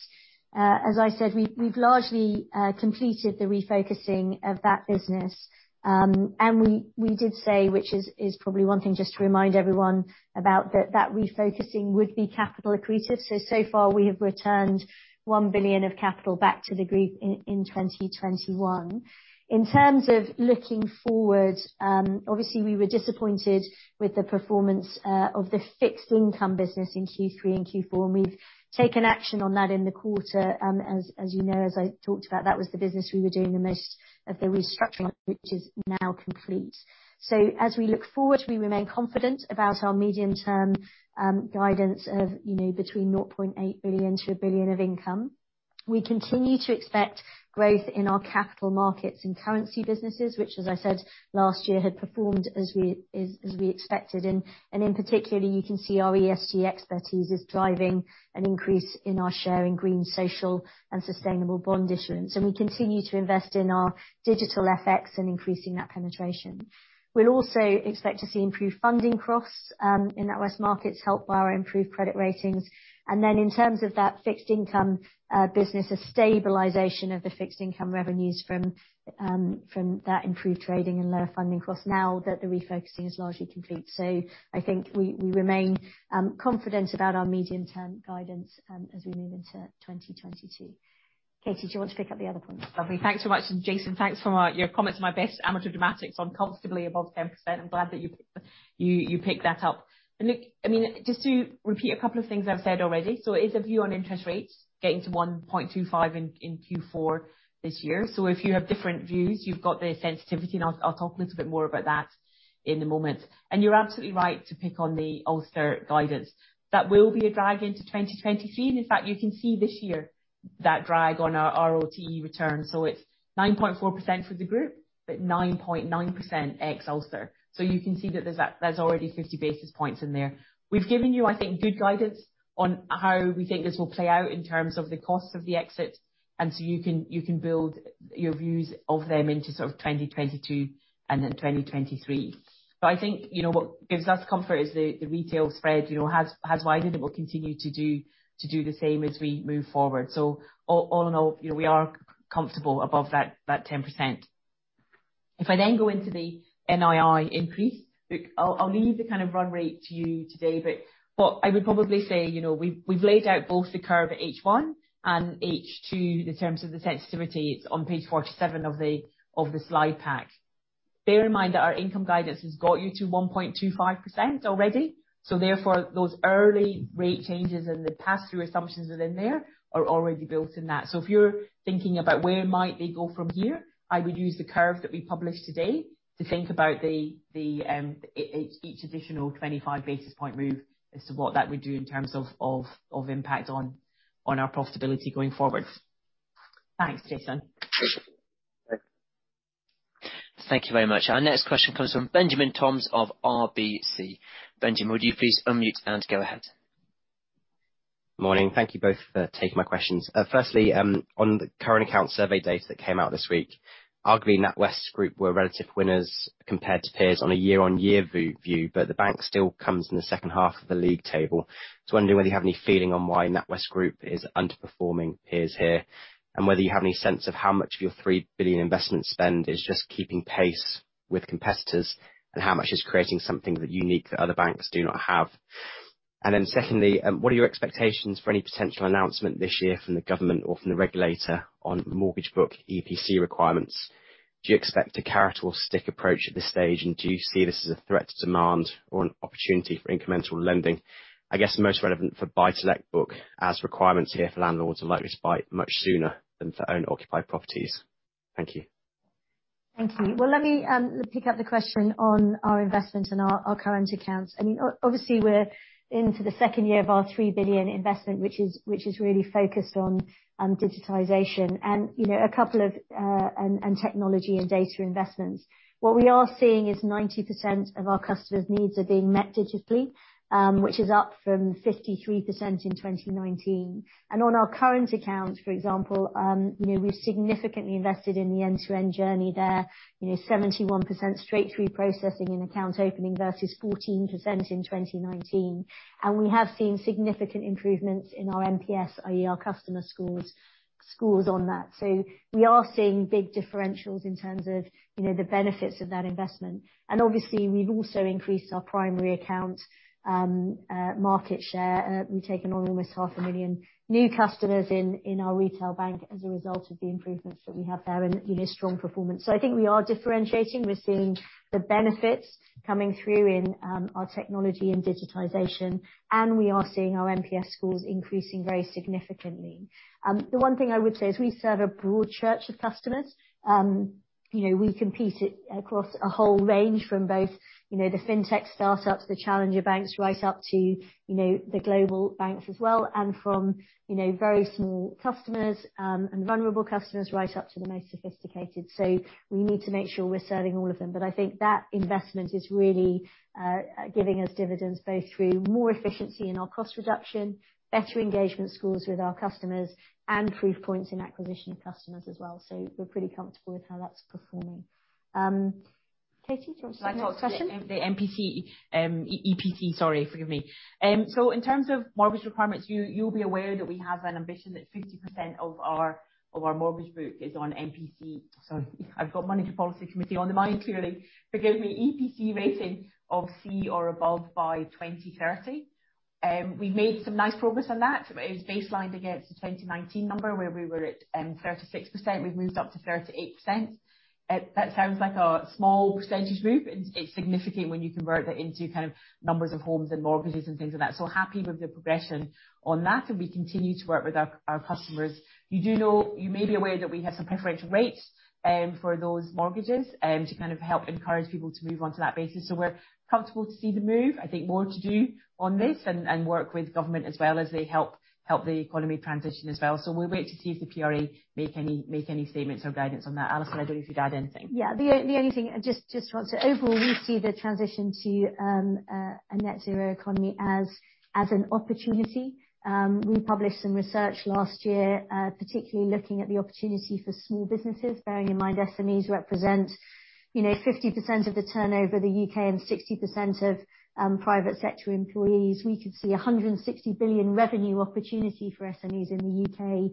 as I said, we've largely completed the refocusing of that business. We did say, which is probably one thing just to remind everyone about that refocusing would be capital accretive. So far we have returned 1 billion of capital back to the group in 2021. In terms of looking forward, obviously we were disappointed with the performance of the fixed income business in Q3 and Q4, and we've taken action on that in the quarter. As you know, as I talked about, that was the business we were doing the most of the restructuring, which is now complete. As we look forward, we remain confident about our medium-term guidance of, you know, between 0.8 billion and 1 billion of income. We continue to expect growth in our capital markets and currency businesses, which as I said last year had performed as we expected. In particular, you can see our ESG expertise is driving an increase in our share in green, social, and sustainable bond issuance. We continue to invest in our digital FX and increasing that penetration. We will also expect to see improved funding costs in NatWest Markets, helped by our improved credit ratings. In terms of that fixed income business, a stabilization of the fixed income revenues from that improved trading and lower funding costs now that the refocusing is largely complete. I think we remain confident about our medium-term guidance as we move into 2022. Katie, do you want to pick up the other points? Lovely. Thanks so much. Jason, thanks for your comments on my best amateur dramatics on comfortably above 10%. I'm glad that you picked that up. Look, I mean, just to repeat a couple of things I've said already. It is a view on interest rates getting to 1.25 in Q4 this year. If you have different views, you've got the sensitivity, and I'll talk a little bit more about that in a moment. You're absolutely right to pick on the Ulster guidance. That will be a drag into 2023. In fact, you can see this year that drag on our ROTE return. It's 9.4% for the group, but 9.9% ex Ulster. You can see that there's already 50 basis points in there. We've given you, I think, good guidance on how we think this will play out in terms of the cost of the exit, and so you can build your views of them into sort of 2022 and then 2023. I think, you know, what gives us comfort is the retail spread, you know, has widened. It will continue to do the same as we move forward. So all in all, you know, we are comfortable above that 10%. If I then go into the NII increase, look, I'll leave the kind of run rate to you today. What I would probably say, you know, we've laid out both the curve at H1 and H2, the terms of the sensitivity. It's on page 47 of the slide pack. Bear in mind that our income guidance has got you to 1.25% already, so therefore those early rate changes and the pass-through assumptions that are in there are already built in that. If you're thinking about where might they go from here, I would use the curve that we published today to think about each additional 25 basis point move as to what that would do in terms of impact on our profitability going forward. Thanks, Jason. Sure. Thanks. Thank you very much. Our next question comes from Benjamin Toms of RBC. Benjamin, would you please unmute and go ahead. Morning. Thank you both for taking my questions. Firstly, on the current account survey data that came out this week, arguably NatWest Group were relative winners compared to peers on a year-on-year view, but the bank still comes in the second half of the league table. Wondering whether you have any feeling on why NatWest Group is underperforming peers here, and whether you have any sense of how much of your 3 billion investment spend is just keeping pace with competitors, and how much is creating something that unique that other banks do not have. Then secondly, what are your expectations for any potential announcement this year from the government or from the regulator on the mortgage book EPC requirements? Do you expect a carrot or stick approach at this stage, and do you see this as a threat to demand or an opportunity for incremental lending? I guess most relevant for buy-to-let book, as requirements here for landlords are likely to spike much sooner than for owner-occupied properties. Thank you. Thank you. Well, let me pick up the question on our investment and our current accounts. I mean, obviously, we're into the second year of our 3 billion investment, which is really focused on digitization, technology and data investments. What we are seeing is 90% of our customers' needs are being met digitally, which is up from 53% in 2019. On our current accounts, for example, you know, we've significantly invested in the end-to-end journey there. You know, 71% straight through processing and account opening versus 14% in 2019. We have seen significant improvements in our NPS, i.e. our customer scores on that. We are seeing big differentials in terms of, you know, the benefits of that investment. Obviously, we've also increased our primary accounts market share. We've taken on almost half a million new customers in our retail bank as a result of the improvements that we have there and, you know, strong performance. I think we are differentiating. We're seeing the benefits coming through in our technology and digitization, and we are seeing our NPS scores increasing very significantly. The one thing I would say is we serve a broad church of customers. You know, we compete across a whole range from both, you know, the fintech startups, the challenger banks, right up to, you know, the global banks as well, and from, you know, very small customers and vulnerable customers, right up to the most sophisticated. We need to make sure we're serving all of them. I think that investment is really giving us dividends both through more efficiency in our cost reduction, better engagement scores with our customers, and proof points in acquisition of customers as well. We're pretty comfortable with how that's performing. Katie, do you want to take the next question? EPC, sorry, forgive me. So in terms of mortgage requirements, you'll be aware that we have an ambition that 50% of our mortgage book is on EPC. Sorry, I've got Monetary Policy Committee on the mind, clearly. Forgive me. EPC rating of C or above by 2030. We've made some nice progress on that. It was baselined against the 2019 number, where we were at 36%. We've moved up to 38%. That sounds like a small percentage move. It's significant when you convert that into kind of numbers of homes and mortgages and things like that. Happy with the progression on that, and we continue to work with our customers. You do know you may be aware that we have some preferential rates for those mortgages to kind of help encourage people to move onto that basis. We're comfortable to see the move. I think more to do on this and work with government as well as they help the economy transition as well. We'll wait to see if the PRA make any statements or guidance on that. Alison, I don't know if you'd add anything. Overall, we see the transition to a net zero economy as an opportunity. We published some research last year, particularly looking at the opportunity for small businesses. Bearing in mind, SMEs represent 50% of the turnover of the U.K. and 60% of private sector employees. We could see a 160 billion revenue opportunity for SMEs in the U.K.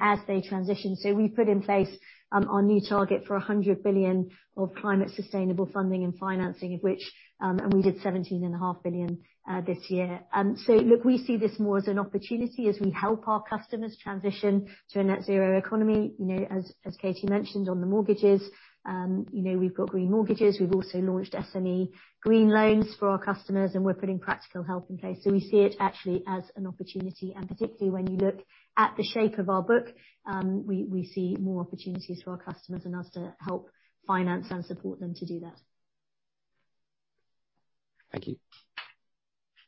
as they transition. We've put in place our new target for 100 billion of climate sustainable funding and financing, of which and we did 17.5 billion this year. Look, we see this more as an opportunity as we help our customers transition to a net zero economy. You know, as Katie mentioned on the mortgages, you know, we've got green mortgages. We've also launched SME green loans for our customers, and we're putting practical help in place. So we see it actually as an opportunity. Particularly when you look at the shape of our book, we see more opportunities for our customers and us to help finance and support them to do that. Thank you.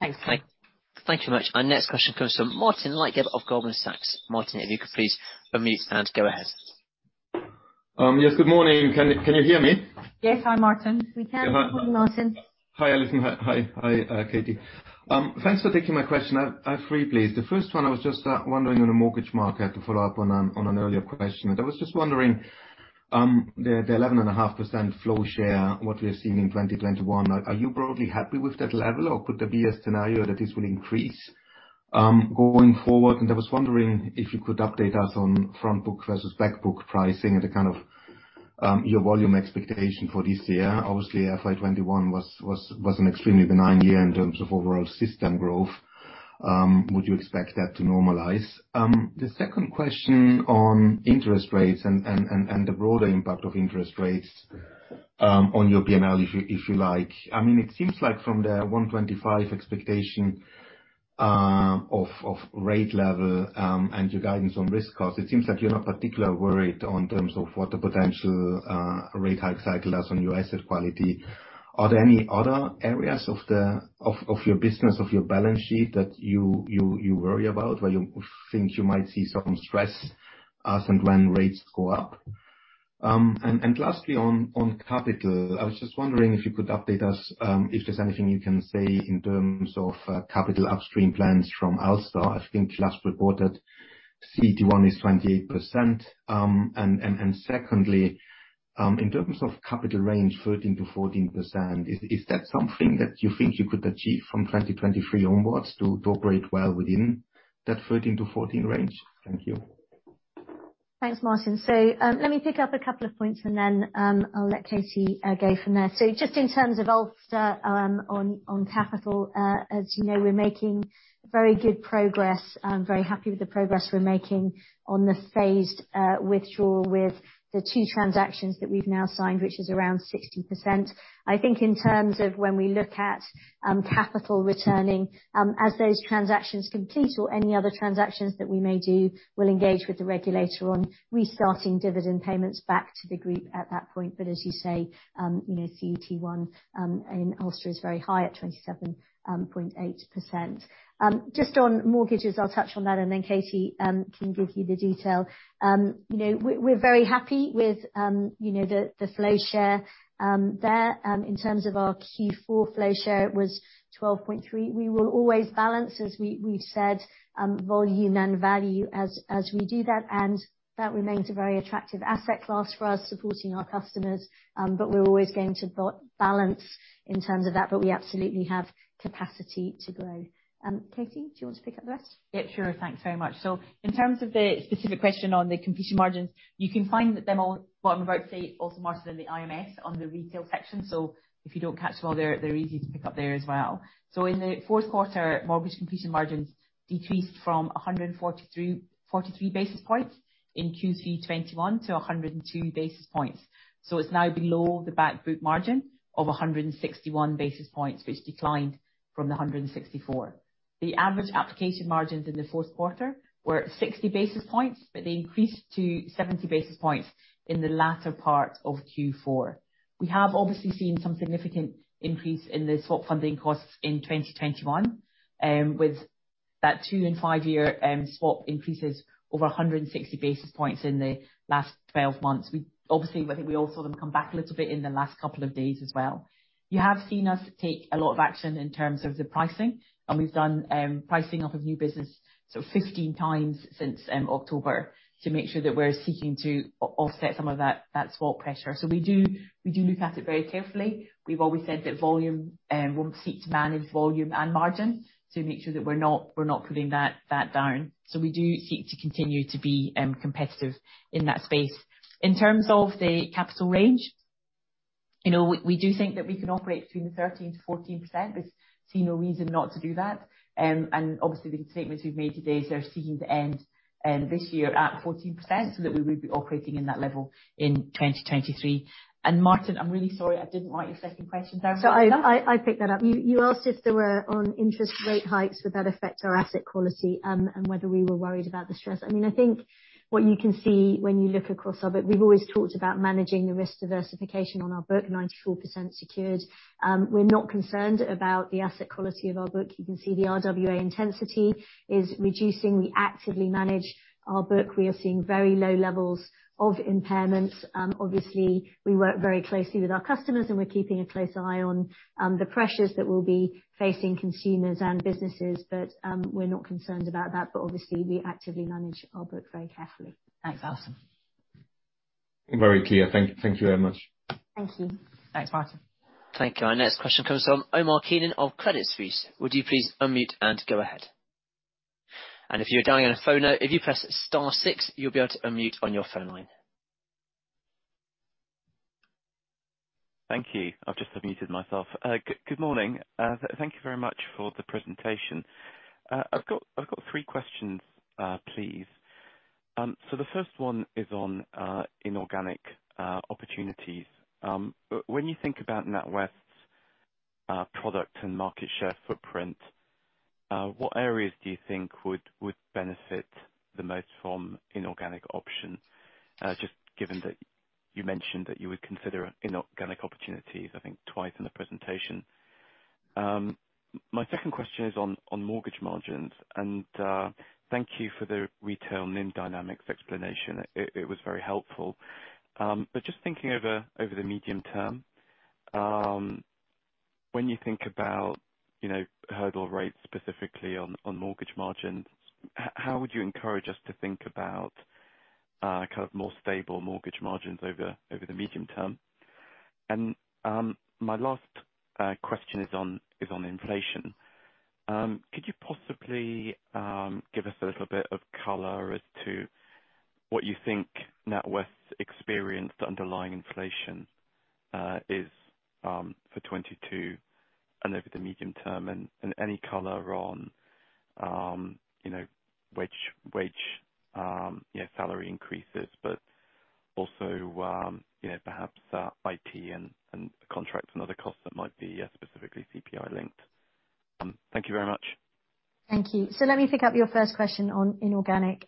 Thanks. Thank you. Thank you much. Our next question comes from Martin Leitgeb of Goldman Sachs. Martin, if you could please unmute and go ahead. Yes. Good morning. Can you hear me? Yes. Hi, Martin. We can. Good morning, Martin. Hi, Alison. Hi, Katie. Thanks for taking my question. I have three, please. The first one, I was just wondering on the mortgage market to follow up on an earlier question. I was just wondering the 11.5% flow share, what we're seeing in 2021, are you broadly happy with that level? Or could there be a scenario that this will increase going forward? I was wondering if you could update us on front book versus back book pricing and the kind of your volume expectation for this year. Obviously FY 2021 was an extremely benign year in terms of overall system growth. Would you expect that to normalize? The second question on interest rates and the broader impact of interest rates on your P&L if you like. I mean, it seems like from the 125 expectation of rate level and your guidance on risk costs, it seems like you're not particularly worried in terms of what the potential rate hike cycle does on your asset quality. Are there any other areas of your business, of your balance sheet that you worry about, where you think you might see some stress as and when rates go up? And lastly, on capital, I was just wondering if you could update us if there's anything you can say in terms of capital upstream plans from Ulster. I think you last reported CET1 is 28%. Secondly, in terms of capital range 13%-14%, is that something that you think you could achieve from 2023 onwards to operate well within that 13%-14% range? Thank you. Thanks, Martin. Let me pick up a couple of points and then, I'll let Katie go from there. Just in terms of Ulster, on capital, as you know, we're making very good progress. I'm very happy with the progress we're making on the phased withdrawal with the two transactions that we've now signed, which is around 60%. I think in terms of when we look at capital returning, as those transactions complete or any other transactions that we may do, we'll engage with the regulator on restarting dividend payments back to the group at that point. But as you say, you know, CET1 in Ulster is very high at 27.8%. Just on mortgages, I'll touch on that, and then Katie can give you the detail. You know, we're very happy with the flow share there. In terms of our Q4 flow share, it was 12.3%. We will always balance, as we've said, volume and value as we do that, and that remains a very attractive asset class for us supporting our customers. We're always going to balance in terms of that, but we absolutely have capacity to grow. Katie, do you want to pick up the rest? Yeah, sure. Thanks very much. In terms of the specific question on the completion margins, you can find them all, what I'm about to say, also Martin in the IMS on the retail section. If you don't catch them all, they're easy to pick up there as well. In the fourth quarter, mortgage completion margins decreased from 143 basis points in Q3 2021 to 102 basis points. It's now below the bank group margin of 161 basis points, which declined from the 164. The average application margins in the fourth quarter were 60 basis points, but they increased to 70 basis points in the latter part of Q4. We have obviously seen some significant increase in the swap funding costs in 2021, with that two and five-year swap increases over 160 basis points in the last 12 months. We obviously, I think we all saw them come back a little bit in the last couple of days as well. You have seen us take a lot of action in terms of the pricing, and we've done pricing off of new business so 15 times since October to make sure that we're seeking to offset some of that swap pressure. We do look at it very carefully. We've always said that volume, we'll seek to manage volume and margin to make sure that we're not putting that down. We do seek to continue to be competitive in that space. In terms of the capital range, you know, we do think that we can operate between 13%-14%. We see no reason not to do that. Obviously, the statements we've made today, so seeking to end this year at 14% so that we would be operating in that level in 2023. Martin, I'm really sorry, I didn't write your second question down. I pick that up. You asked if there were any interest rate hikes, would that affect our asset quality, and whether we were worried about the stress. I mean, I think what you can see when you look across our book, we've always talked about managing the risk diversification on our book, 94% secured. We're not concerned about the asset quality of our book. You can see the RWA intensity is reducing. We actively manage our book. We are seeing very low levels of impairments. Obviously, we work very closely with our customers, and we're keeping a close eye on the pressures that will be facing consumers and businesses. We're not concerned about that. Obviously, we actively manage our book very carefully. Thanks, Alison. Very clear. Thank you very much. Thank you. Thanks, Martin. Thank you. Our next question comes from Omar Keenan of Credit Suisse. Would you please unmute and go ahead. If you're dialing on a phone line, if you press star six, you'll be able to unmute on your phone line. Thank you. I've just unmuted myself. Good morning. Thank you very much for the presentation. I've got three questions, please. The first one is on inorganic opportunities. When you think about NatWest's product and market share footprint, what areas do you think would benefit the most from inorganic options? Just given that you mentioned that you would consider inorganic opportunities, I think twice in the presentation. My second question is on mortgage margins. Thank you for the retail NIM dynamics explanation. It was very helpful. Just thinking over the medium term, when you think about, you know, hurdle rates specifically on mortgage margins, how would you encourage us to think about kind of more stable mortgage margins over the medium term? My last question is on inflation. Could you possibly give us a little bit of color as to what you think NatWest's experienced underlying inflation is for 2022 and over the medium term, and any color on, you know, wage, you know, salary increases, but also, you know, perhaps IT and contracts and other costs that might be specifically CPI linked. Thank you very much. Thank you. Let me pick up your first question on inorganic.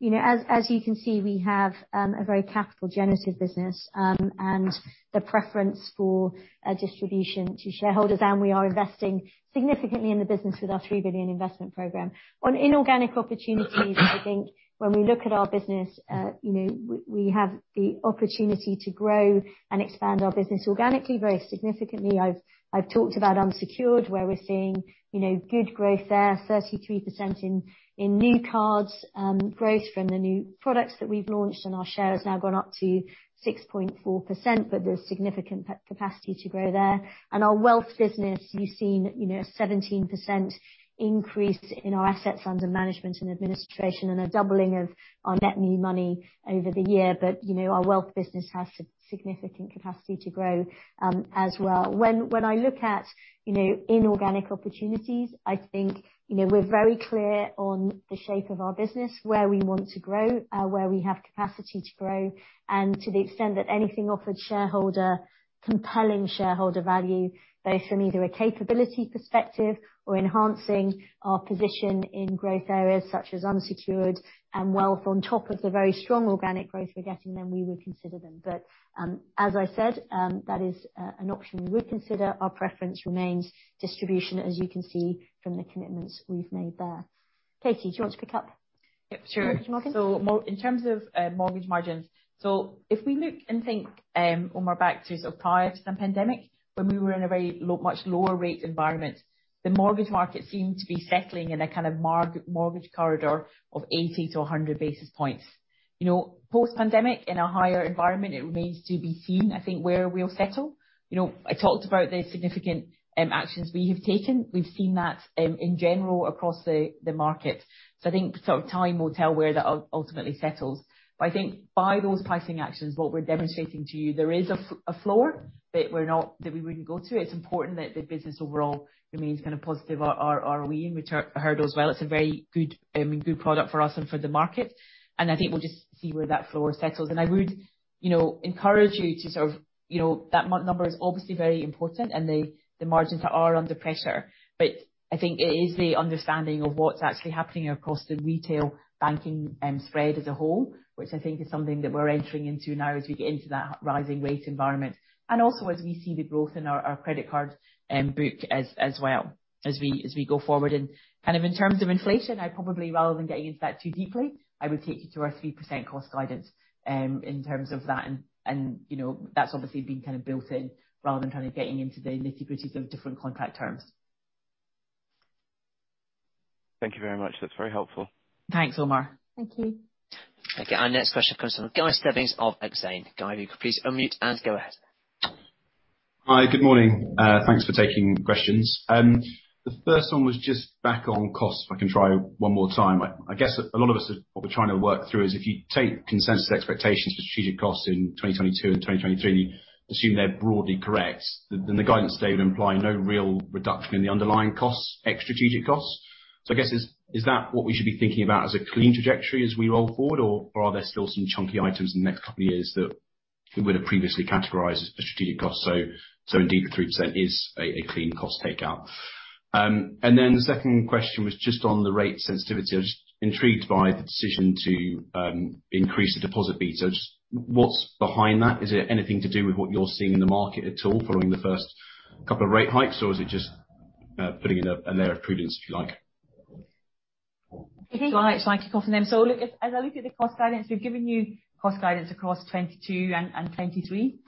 You know, as you can see, we have a very capital generative business, and the preference for a distribution to shareholders, and we are investing significantly in the business with our 3 billion investment program. On inorganic opportunities, I think when we look at our business, you know, we have the opportunity to grow and expand our business organically, very significantly. I've talked about unsecured, where we're seeing, you know, good growth there, 33% in new cards, growth from the new products that we've launched, and our share has now gone up to 6.4%, but there's significant capacity to grow there. Our wealth business, you've seen, you know, a 17% increase in our assets under management and administration and a doubling of our net new money over the year. You know, our wealth business has significant capacity to grow, as well. When I look at, you know, inorganic opportunities, I think, you know, we're very clear on the shape of our business, where we want to grow, where we have capacity to grow, and to the extent that anything offers compelling shareholder value, both from either a capability perspective or enhancing our position in growth areas such as unsecured and wealth on top of the very strong organic growth we're getting, then we would consider them. As I said, that is an option we would consider. Our preference remains distribution, as you can see from the commitments we've made there. Katie, do you want to pick up? Yep, sure. Martin. In terms of mortgage margins, if we look and think, Omar, back to sort of prior to the pandemic when we were in a very low, much lower rate environment, the mortgage market seemed to be settling in a kind of mortgage corridor of 80 basis points-100 basis points. You know, post-pandemic, in a higher environment, it remains to be seen, I think, where we'll settle. You know, I talked about the significant actions we have taken. We've seen that in general across the market. I think sort of time will tell where that ultimately settles. I think by those pricing actions, what we're demonstrating to you, there is a floor that we're not, that we wouldn't go to. It's important that the business overall remains kind of positive ROE and return hurdle as well. It's a very good product for us and for the market. I think we'll just see where that floor settles. I would, you know, encourage you to sort of, you know, that number is obviously very important and the margins are under pressure. I think it is the understanding of what's actually happening across the retail banking spread as a whole, which I think is something that we're entering into now as we get into that rising rate environment. Also, as we see the growth in our credit card book as well as we go forward. Kind of in terms of inflation, I probably rather than getting into that too deeply, I would take you to our 3% cost guidance in terms of that. you know, that's obviously been kind of built in rather than kind of getting into the nitty-gritties of different contract terms. Thank you very much. That's very helpful. Thanks, Omar. Thank you. Thank you. Our next question comes from Guy Stebbings of Exane. Guy, if you could please unmute and go ahead. Hi. Good morning. Thanks for taking questions. The first one was just back on costs, if I can try one more time. I guess a lot of us, what we're trying to work through is if you take consensus expectations for strategic costs in 2022 and 2023, assume they're broadly correct, then the guidance stated would imply no real reduction in the underlying costs, ex strategic costs. So I guess is that what we should be thinking about as a clean trajectory as we roll forward, or are there still some chunky items in the next couple of years that you would have previously categorized as strategic costs? So indeed the 3% is a clean cost takeout. And then the second question was just on the rate sensitivity. I was just intrigued by the decision to increase the deposit fees. Just what's behind that? Is it anything to do with what you're seeing in the market at all following the first couple of rate hikes, or is it just putting in a layer of prudence, if you like? Shall I kick off on them? Look, as I look at the cost guidance, we've given you cost guidance across 2022 and 2023.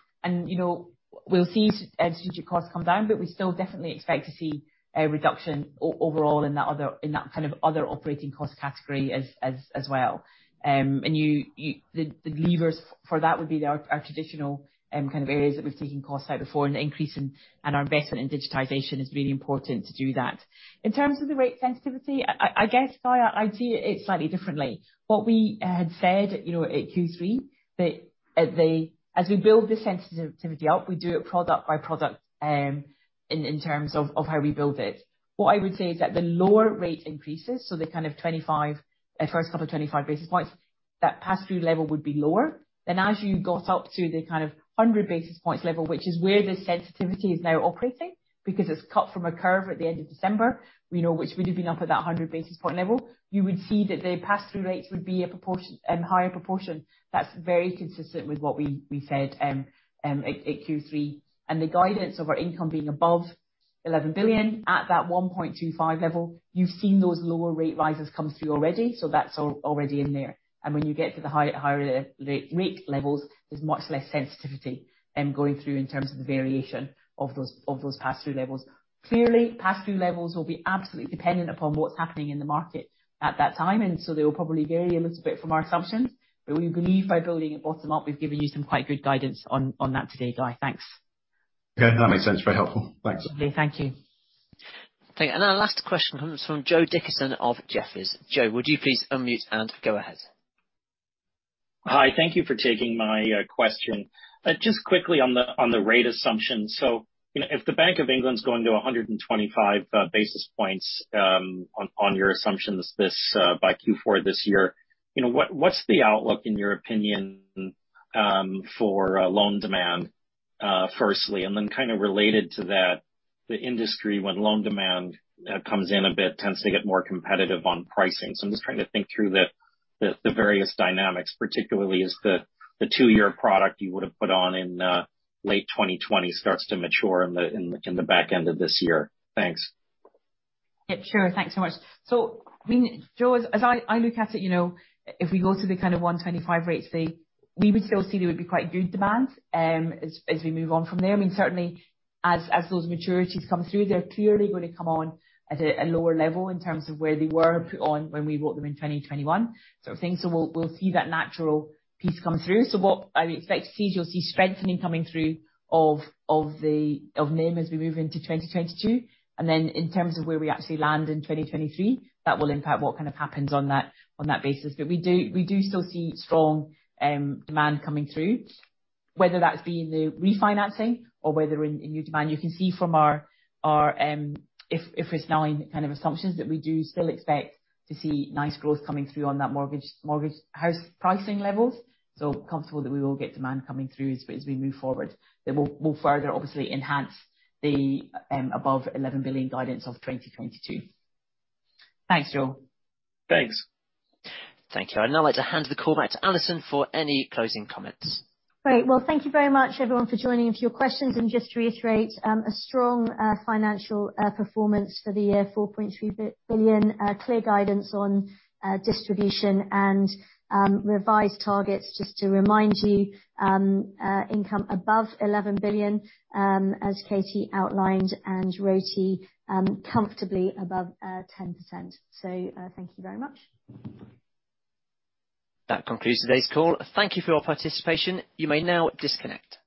You know, we'll see strategic costs come down, but we still definitely expect to see a reduction overall in that other kind of operating cost category as well. The levers for that would be our traditional kind of areas that we've taken costs out before and the increase in our investment in digitization is really important to do that. In terms of the rate sensitivity, I guess I'd see it slightly differently. What we had said, you know, at Q3, that as we build the sensitivity up, we do it product by product, in terms of how we build it. What I would say is that the lower rate increases, so the kind of 25, first couple of 25 basis points, that pass-through level would be lower. Then as you got up to the kind of 100 basis points level, which is where the sensitivity is now operating because it's cut from a curve at the end of December, you know, which would have been up at that 100 basis point level, you would see that the pass-through rates would be a proportion, higher proportion. That's very consistent with what we said at Q3. The guidance of our income being above 11 billion at that 1.25 level, you've seen those lower rate rises come through already, so that's already in there. When you get to the higher interest-rate levels, there's much less sensitivity going through in terms of the variation of those pass-through levels. Clearly, pass-through levels will be absolutely dependent upon what's happening in the market at that time. They will probably vary a little bit from our assumptions. We believe by building it bottom up, we've given you some quite good guidance on that today, Guy. Thanks. Okay, that makes sense. Very helpful. Thanks. Thank you. Thank you. Our last question comes from Joe Dickinson of Jefferies. Joe, would you please unmute and go ahead? Hi. Thank you for taking my question. Just quickly on the rate assumption. You know, if the Bank of England is going to 125 basis points on your assumptions by Q4 this year, you know, what's the outlook in your opinion for loan demand firstly? And then kind of related to that, the industry when loan demand comes in a bit tends to get more competitive on pricing. I'm just trying to think through the various dynamics, particularly as the two-year product you would have put on in late 2020 starts to mature in the back end of this year. Thanks. Yeah, sure. Thanks so much. I mean, Joe, as I look at it, you know, if we go to the kind of 125 rate say, we would still see there would be quite good demand, as we move on from there. I mean, certainly as those maturities come through, they're clearly gonna come on at a lower level in terms of where they were put on when we wrote them in 2021 sort of thing. We'll see that natural piece come through. What I would expect to see is you'll see strengthening coming through of the NIM as we move into 2022. Then in terms of where we actually land in 2023, that will impact what kind of happens on that basis. We do still see strong demand coming through, whether that's been the refinancing or whether in new demand. You can see from our IFRS 9 kind of assumptions that we do still expect to see nice growth coming through on that mortgage house pricing levels. Comfortable that we will get demand coming through as we move forward. It will further obviously enhance the above 11 billion guidance of 2022. Thanks, Joe. Thanks. Thank you. I'd now like to hand the call back to Alison for any closing comments. Great. Well, thank you very much everyone for joining with your questions. Just to reiterate, a strong financial performance for the year, 4.3 billion. Clear guidance on distribution and revised targets. Just to remind you, income above 11 billion, as Katie Murray outlined, and ROTE comfortably above 10%. Thank you very much. That concludes today's call. Thank you for your participation. You may now disconnect.